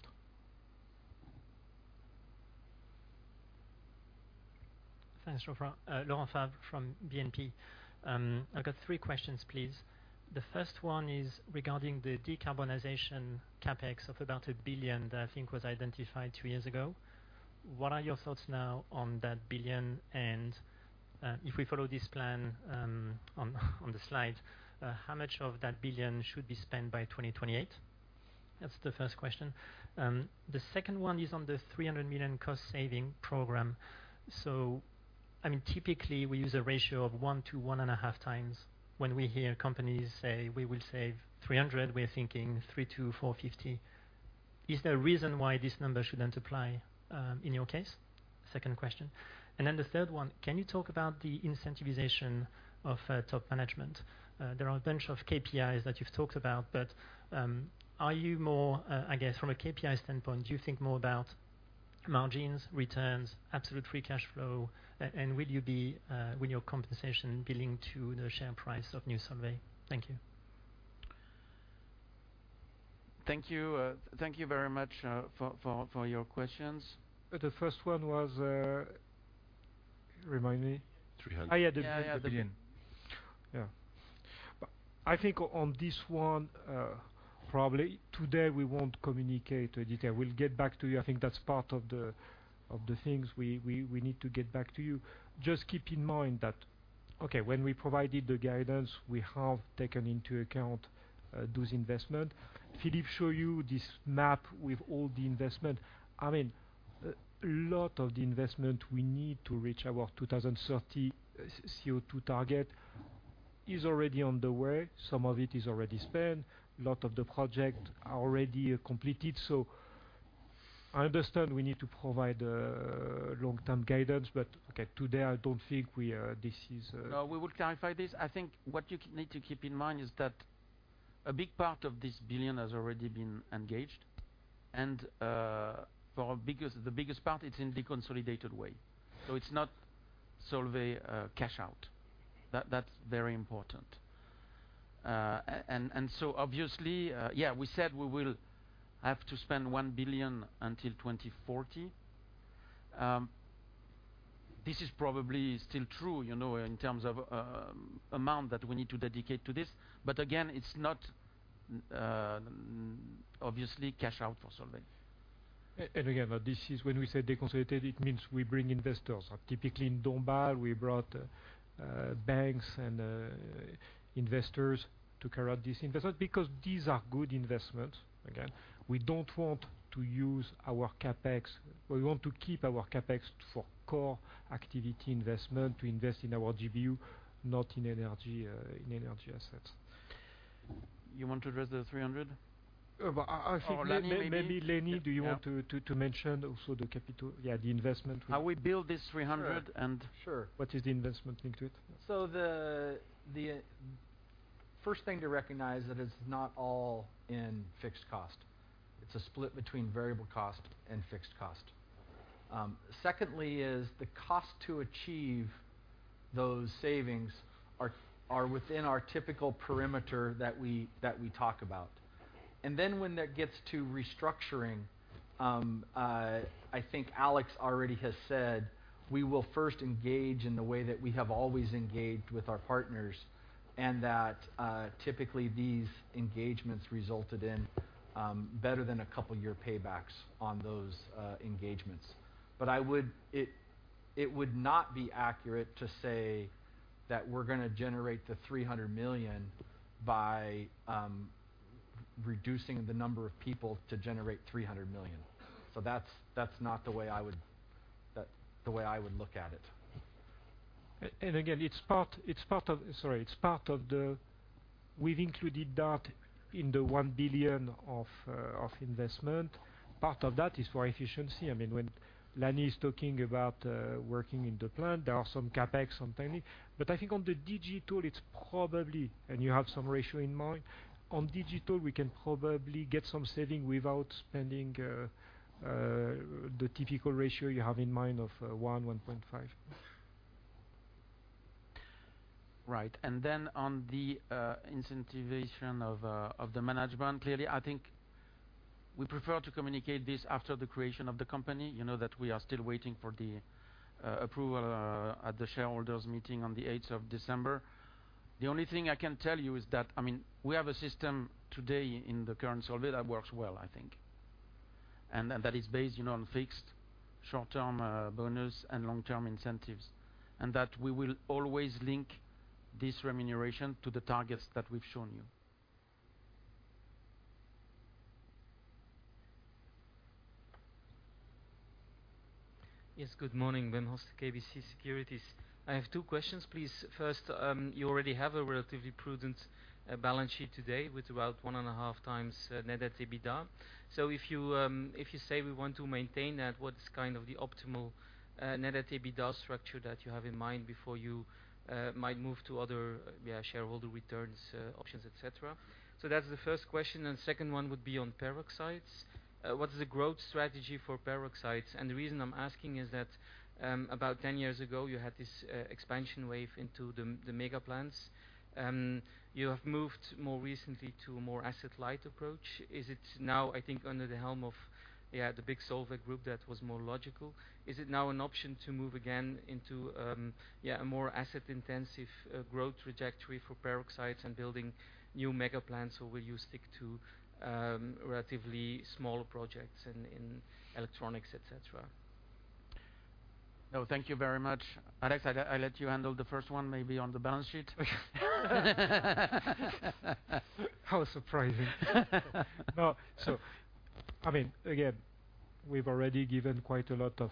Thanks, Geoffroy. Laurent Favre from BNP. I've got three questions, please. The first one is regarding the decarbonization CapEx of about 1 billion, that I think was identified two years ago. What are your thoughts now on that billion? And, if we follow this plan, on the slide, how much of that billion should be spent by 2028? That's the first question. The second one is on the 300 million cost saving program. So I mean, typically, we use a ratio of 1x to 1.5x when we hear companies say, "We will save 300," we're thinking 300 to 450. Is there a reason why this number shouldn't apply, in your case? Second question. And then the third one, can you talk about the incentivization of, top management? There are a bunch of KPIs that you've talked about, but, are you more, I guess, from a KPI standpoint, do you think more about margins, returns, absolute free cash flow? And will you be, will your compensation be linked to the share price of Solvay? Thank you. Thank you. Thank you very much, for your questions. The first one was... Remind me? Three hundred. Ah, yeah, the billion. Yeah, yeah. Yeah. I think on this one, probably today, we won't communicate in detail. We'll get back to you. I think that's part of the things we need to get back to you. Just keep in mind that, okay, when we provided the guidance, we have taken into account those investment. Philippe show you this map with all the investment. I mean, lot of the investment we need to reach our 2030 S-CO2 target is already on the way. Some of it is already spent. A lot of the project are already completed. So I understand we need to provide long-term guidance, but, okay, today, I don't think we are, this is. No, we will clarify this. I think what you need to keep in mind is that a big part of this billion has already been engaged, and for our biggest, the biggest part, it's in the consolidated way. So it's not Solvay cash out. That, that's very important. And so obviously, yeah, we said we will have to spend 1 billion until 2040. This is probably still true, you know, in terms of amount that we need to dedicate to this. But again, it's not obviously cash out for Solvay. And again, this is when we say consolidated, it means we bring investors. Typically, in Dombasle, we brought banks and investors to carry out this investment because these are good investments. Again, we don't want to use our CapEx. We want to keep our CapEx for core activity investment, to invest in our GBU, not in energy, in energy assets. You want to address the 300? Well, I think- Or Lanny, maybe. Maybe, Lanny, do you want to- Yeah to mention also the capital? Yeah, the investment. How we build this 300 and- Sure. Sure. What is the investment linked to it? So the first thing to recognize that it's not all in fixed cost. It's a split between variable cost and fixed cost. Secondly, is the cost to achieve those savings are within our typical parameter that we talk about. And then when that gets to restructuring, I think Alex already has said, we will first engage in the way that we have always engaged with our partners, and that typically, these engagements resulted in better than a couple year paybacks on those engagements. But it would not be accurate to say that we're gonna generate the 300 million by reducing the number of people to generate 300 million. So that's not the way I would look at it. And again, it's part of... Sorry, it's part of the—we've included that in the 1 billion of investment. Part of that is for efficiency. I mean, when Lanny is talking about working in the plant, there are some CapEx, some tiny. But I think on the digital, it's probably, and you have some ratio in mind, on digital, we can probably get some saving without spending the typical ratio you have in mind of 1, 1.5. Right. And then on the incentivization of the management, clearly, I think we prefer to communicate this after the creation of the company. You know that we are still waiting for the approval at the shareholders' meeting on the eighth of December. The only thing I can tell you is that, I mean, we have a system today in the current Solvay that works well, I think. And that is based, you know, on fixed short-term bonus and long-term incentives, and that we will always link this remuneration to the targets that we've shown you. Yes, good morning. Wim Hoste, KBC Securities. I have two questions, please. First, you already have a relatively prudent balance sheet today with about 1.5x net EBITDA. So if you say we want to maintain that, what's kind of the optimal net EBITDA structure that you have in mind before you might move to other shareholder returns options, et cetera? So that's the first question, and second one would be on peroxides. What is the growth strategy for peroxides? And the reason I'm asking is that, about 10 years ago, you had this expansion wave into the mega plants. You have moved more recently to a more asset-light approach. Is it now, I think, under the helm of the big Solvay Group, that was more logical? Is it now an option to move again into, yeah, a more asset-intensive, growth trajectory for Peroxides and building new mega plants, or will you stick to, relatively smaller projects in electronics, et cetera? No, thank you very much. Alex, I let you handle the first one, maybe on the balance sheet. How surprising. No. So I mean, again, we've already given quite a lot of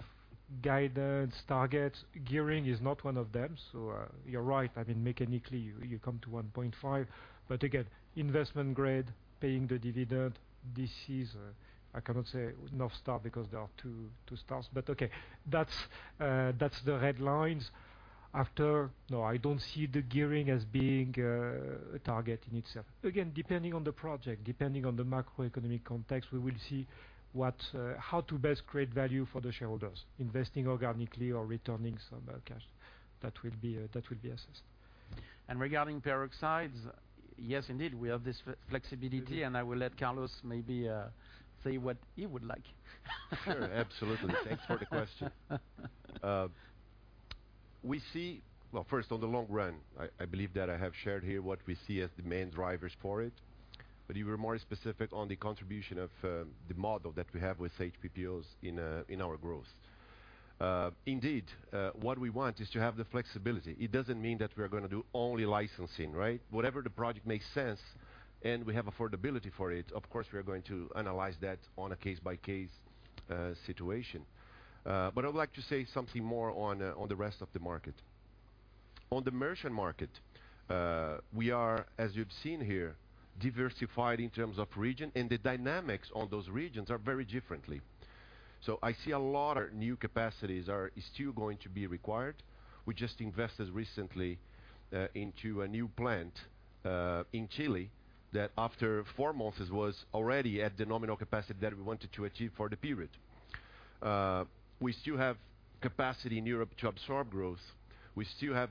guidance, targets. Gearing is not one of them, so you're right. I mean, mechanically, you come to 1.5. But again, Investment Grade, paying the dividend, this is, I cannot say north star because there are two, two stars. But okay, that's the headlines. After, no, I don't see the gearing as being a target in itself. Again, depending on the project, depending on the macroeconomic context, we will see what, how to best create value for the shareholders, investing organically or returning some cash. That will be—that will be assessed. Regarding peroxides, yes, indeed, we have this flexibility, and I will let Carlos maybe say what he would like. Sure, absolutely. Thanks for the question. Well, first, on the long run, I believe that I have shared here what we see as the main drivers for it, but you were more specific on the contribution of the model that we have with HPPOs in our growth. Indeed, what we want is to have the flexibility. It doesn't mean that we're gonna do only licensing, right? Whatever the project makes sense, and we have affordability for it, of course, we are going to analyze that on a case-by-case situation. But I would like to say something more on the rest of the market. On the merchant market, we are, as you've seen here, diversified in terms of region, and the dynamics on those regions are very differently. So I see a lot of new capacities are still going to be required. We just invested recently into a new plant in Chile that after four months was already at the nominal capacity that we wanted to achieve for the period. We still have capacity in Europe to absorb growth. We still have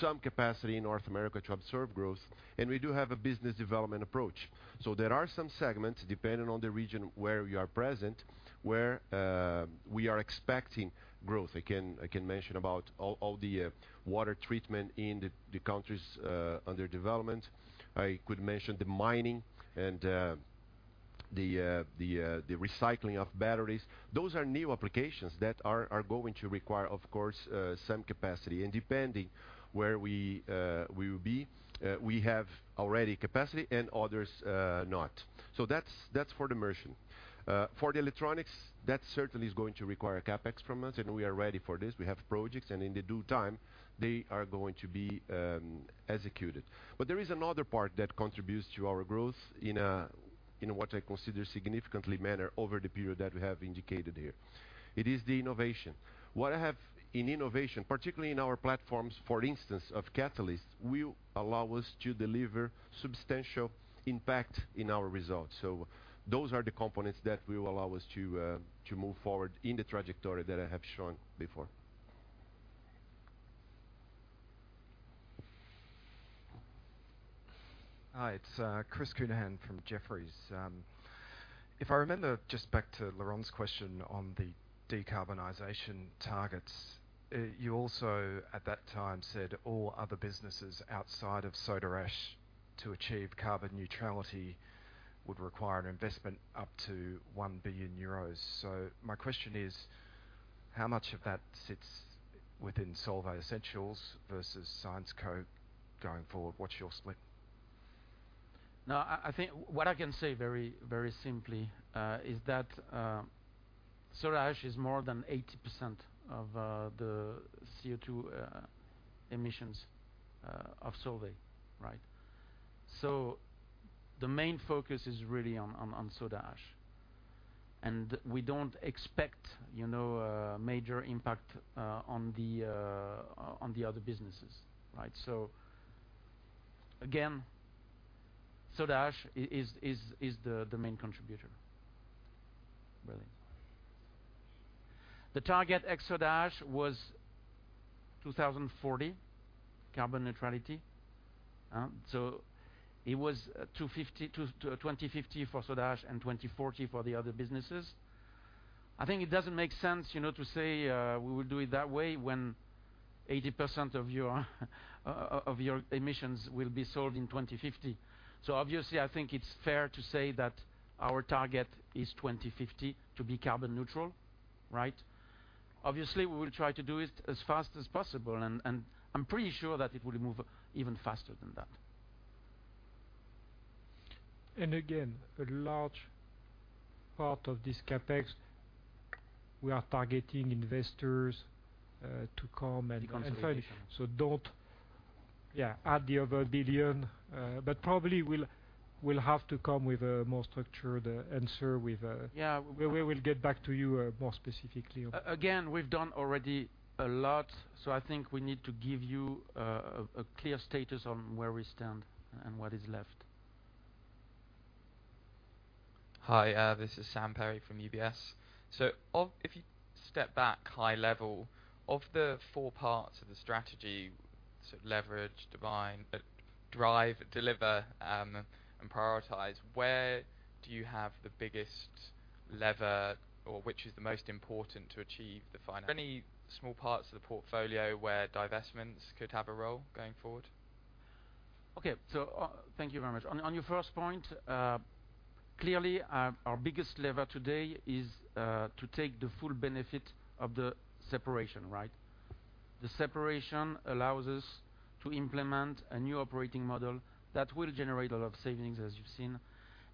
some capacity in North America to absorb growth, and we do have a business development approach. So there are some segments, depending on the region where we are present, where we are expecting growth. I can mention about all the water treatment in the countries under development. I could mention the mining and the recycling of batteries. Those are new applications that are going to require, of course, some capacity. Depending where we will be, we have already capacity and others, not. So that's for the merchant. For the electronics, that certainly is going to require CapEx from us, and we are ready for this. We have projects, and in the due time, they are going to be executed. But there is another part that contributes to our growth in what I consider significantly manner over the period that we have indicated here. It is the innovation. What I have in innovation, particularly in our platforms, for instance, of catalysts, will allow us to deliver substantial impact in our results. So those are the components that will allow us to move forward in the trajectory that I have shown before. Hi, it's Chris Counihan from Jefferies. If I remember, just back to Lauren's question on the decarbonization targets, you also, at that time, said all other businesses outside of soda ash, to achieve carbon neutrality, would require an investment up to 1 billion euros. So my question is: How much of that sits within Solvay Essentials versus Syensqo going forward? What's your split? No, I think what I can say very, very simply is that soda ash is more than 80% of the CO2 emissions of Solvay, right? So the main focus is really on soda ash, and we don't expect, you know, a major impact on the other businesses, right? So again, soda ash is the main contributor, really. The target ex soda ash was 2040, carbon neutrality. So it was 2050 for soda ash and 2040 for the other businesses. I think it doesn't make sense, you know, to say we will do it that way when 80% of your emissions will be sold in 2050. Obviously, I think it's fair to say that our target is 2050 to be carbon neutral, right? Obviously, we will try to do it as fast as possible, and I'm pretty sure that it will move even faster than that. Again, a large part of this CapEx, we are targeting investors to come and- Decarbonization. So don't, yeah, add the other billion, but probably we'll have to come with a more structured answer with, Yeah. We will get back to you more specifically. Again, we've done already a lot, so I think we need to give you a clear status on where we stand and what is left. Hi, this is Sam Perry from UBS. So, if you step back high-level, of the four parts of the strategy, so leverage, divest, drive, deliver, and prioritize, where do you have the biggest lever, or which is the most important to achieve the final? Any small parts of the portfolio where divestments could have a role going forward? Okay. So, thank you very much. On your first point, clearly, our biggest lever today is to take the full benefit of the separation, right? The separation allows us to implement a new operating model that will generate a lot of savings, as you've seen,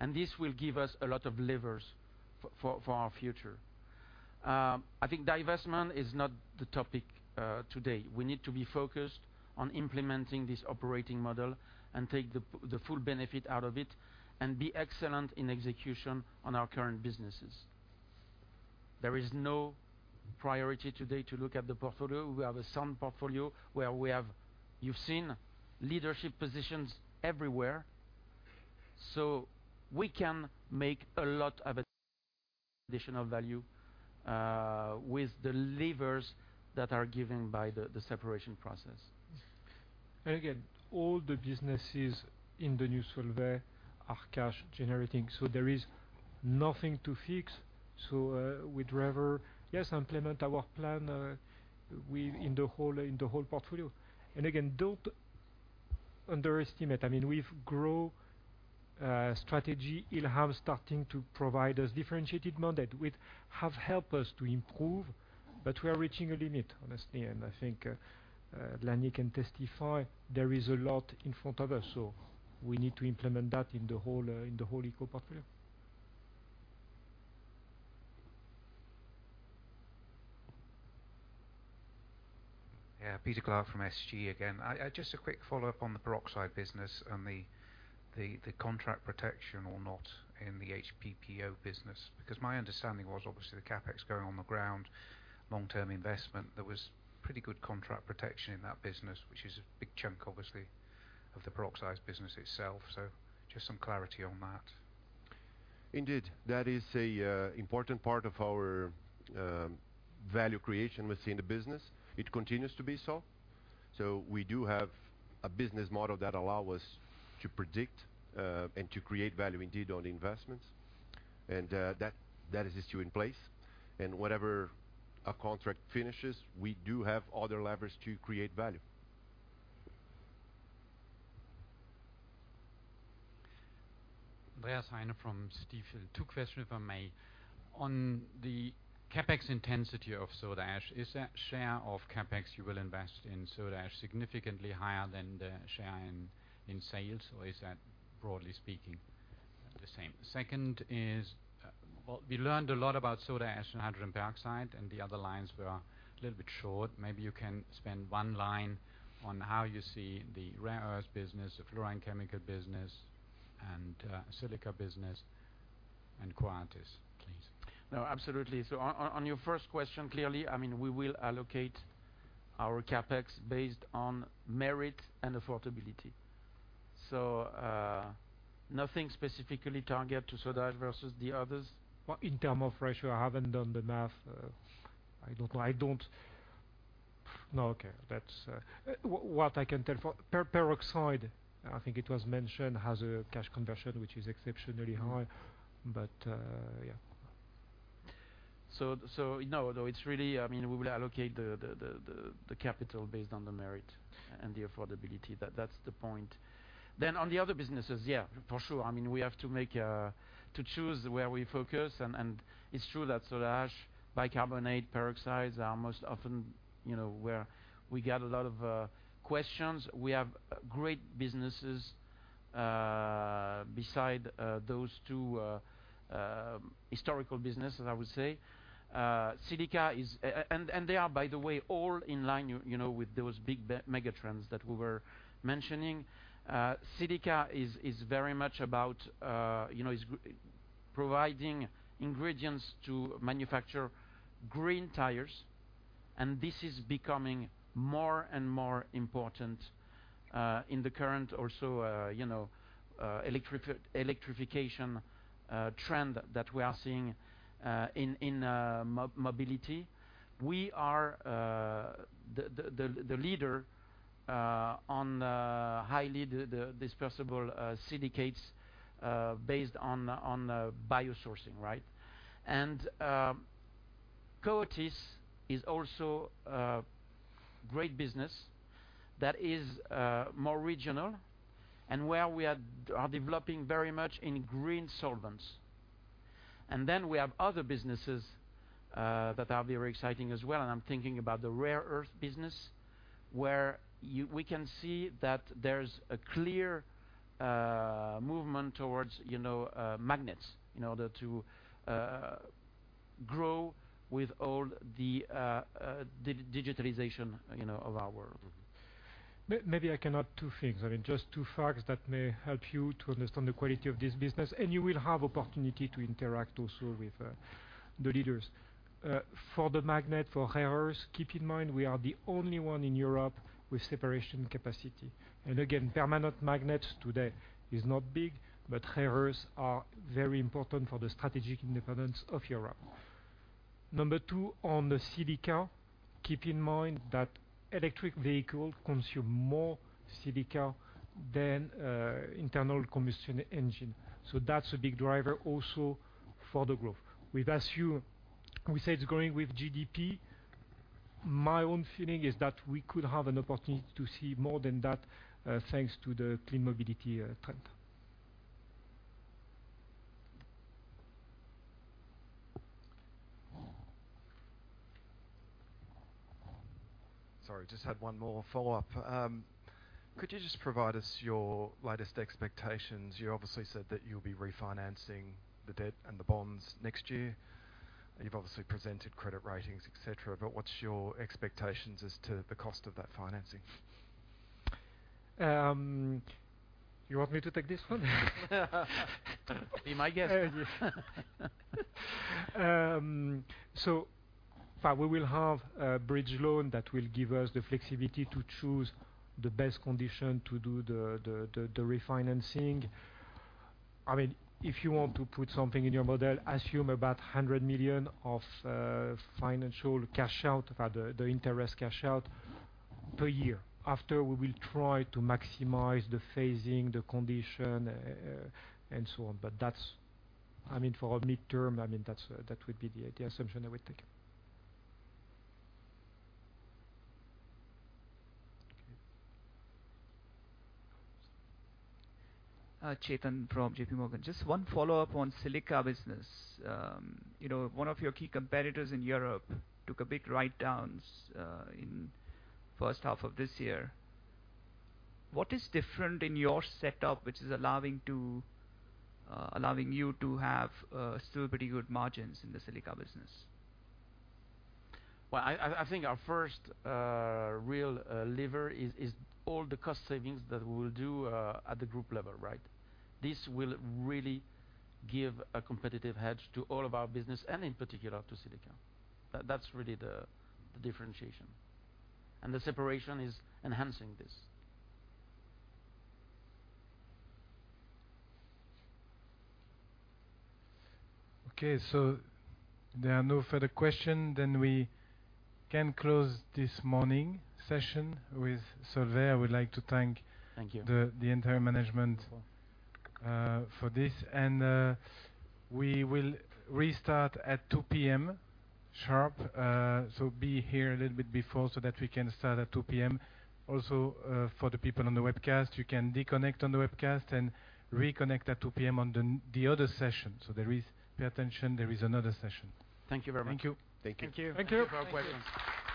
and this will give us a lot of levers for our future. I think divestment is not the topic today. We need to be focused on implementing this operating model and take the full benefit out of it and be excellent in execution on our current businesses. There is no priority today to look at the portfolio. We have a sound portfolio where we have, you've seen, leadership positions everywhere, so we can make a lot of additional value with the levers that are given by the separation process. And again, all the businesses in the new Solvay are cash generating, so there is nothing to fix. So, we'd rather, yes, implement our plan, in the whole, in the whole portfolio. And again, don't underestimate. I mean, we've grow, strategy. Ilham starting to provide us differentiated model, which have helped us to improve, but we are reaching a limit, honestly. And I think, Lanny can testify, there is a lot in front of us, so we need to implement that in the whole, in the whole eco-portfolio. Yeah, Peter Clark from SG again. I just a quick follow-up on the peroxide business and the contract protection or not in the HPPO business. Because my understanding was obviously the CapEx going on the ground, long-term investment, there was pretty good contract protection in that business, which is a big chunk, obviously, of the peroxides business itself. So just some clarity on that. Indeed, that is a important part of our value creation within the business. It continues to be so. So we do have a business model that allow us to predict and to create value indeed, on the investments, and that is still in place. And whenever a contract finishes, we do have other levers to create value. Andreas Heine from Stifel. Two questions, if I may. On the CapEx intensity of soda ash, is that share of CapEx you will invest in soda ash significantly higher than the share in sales, or is that, broadly speaking, the same? Second is, well, we learned a lot about soda ash and hydrogen peroxide, and the other lines were a little bit short. Maybe you can spend one line on how you see the rare earth business, the fluorine chemical business, and silica business, and Coatis, please. No, absolutely. So on your first question, clearly, I mean, we will allocate our CapEx based on merit and affordability. So, nothing specifically targeted to soda ash versus the others. Well, in terms of ratio, I haven't done the math. I don't know. What I can tell for peroxide, I think it was mentioned, has a cash conversion, which is exceptionally high, but yeah. So, no, though, it's really. I mean, we will allocate the capital based on the merit and the affordability. That's the point. Then on the other businesses, yeah, for sure. I mean, we have to choose where we focus, and it's true that soda ash, bicarbonate, peroxides are most often, you know, where we get a lot of questions. We have great businesses besides those two historical businesses, I would say. Silica is, and they are, by the way, all in line, you know, with those big megatrends that we were mentioning. Silica is very much about, you know, providing ingredients to manufacture green tires, and this is becoming more and more important in the current also, you know, electrification trend that we are seeing in in mobility. We are the leader on highly dispersible silica based on biosourced, right? And Coatis is also a great business that is more regional and where we are developing very much in green solvents. And then we have other businesses that are very exciting as well, and I'm thinking about the Rare Earths business, where we can see that there's a clear movement towards, you know, magnets, in order to grow with all the digitalization, you know, of our world. Maybe I can add two things. I mean, just two facts that may help you to understand the quality of this business, and you will have opportunity to interact also with the leaders. For the rare earths, keep in mind, we are the only one in Europe with separation capacity. And again, permanent magnets today is not big, but rare earths are very important for the strategic independence of Europe. Number two, on the silica, keep in mind that electric vehicle consume more silica than internal combustion engine. So that's a big driver also for the growth. We've asked you, we said it's growing with GDP. My own feeling is that we could have an opportunity to see more than that, thanks to the clean mobility trend. Sorry, just had one more follow-up. Could you just provide us your latest expectations? You obviously said that you'll be refinancing the debt and the bonds next year. You've obviously presented credit ratings, et cetera, but what's your expectations as to the cost of that financing? You want me to take this one? Be my guest. But we will have a bridge loan that will give us the flexibility to choose the best condition to do the refinancing. I mean, if you want to put something in your model, assume about 100 million of financial cash out, the interest cash out per year. After, we will try to maximize the phasing, the condition, and so on. But that's, I mean, for our midterm, I mean, that's that would be the assumption I would take. Okay. Chetan from JP Morgan. Just one follow-up on silica business. You know, one of your key competitors in Europe took a big write-downs in first half of this year. What is different in your setup, which is allowing you to have still pretty good margins in the silica business? Well, I think our first real lever is all the cost savings that we will do at the group level, right? This will really give a competitive edge to all of our business, and in particular, to Silica. That's really the differentiation. And the separation is enhancing this. Okay, so there are no further questions, then we can close this morning session with Solvay. I would like to thank- Thank you... The entire management for this. We will restart at 2:00 P.M. sharp. So be here a little bit before, so that we can start at 2:00 P.M. Also, for the people on the webcast, you can disconnect on the webcast and reconnect at 2:00 P.M. on the other session. So there is... Pay attention, there is another session. Thank you very much. Thank you. Thank you. Thank you. Thank you.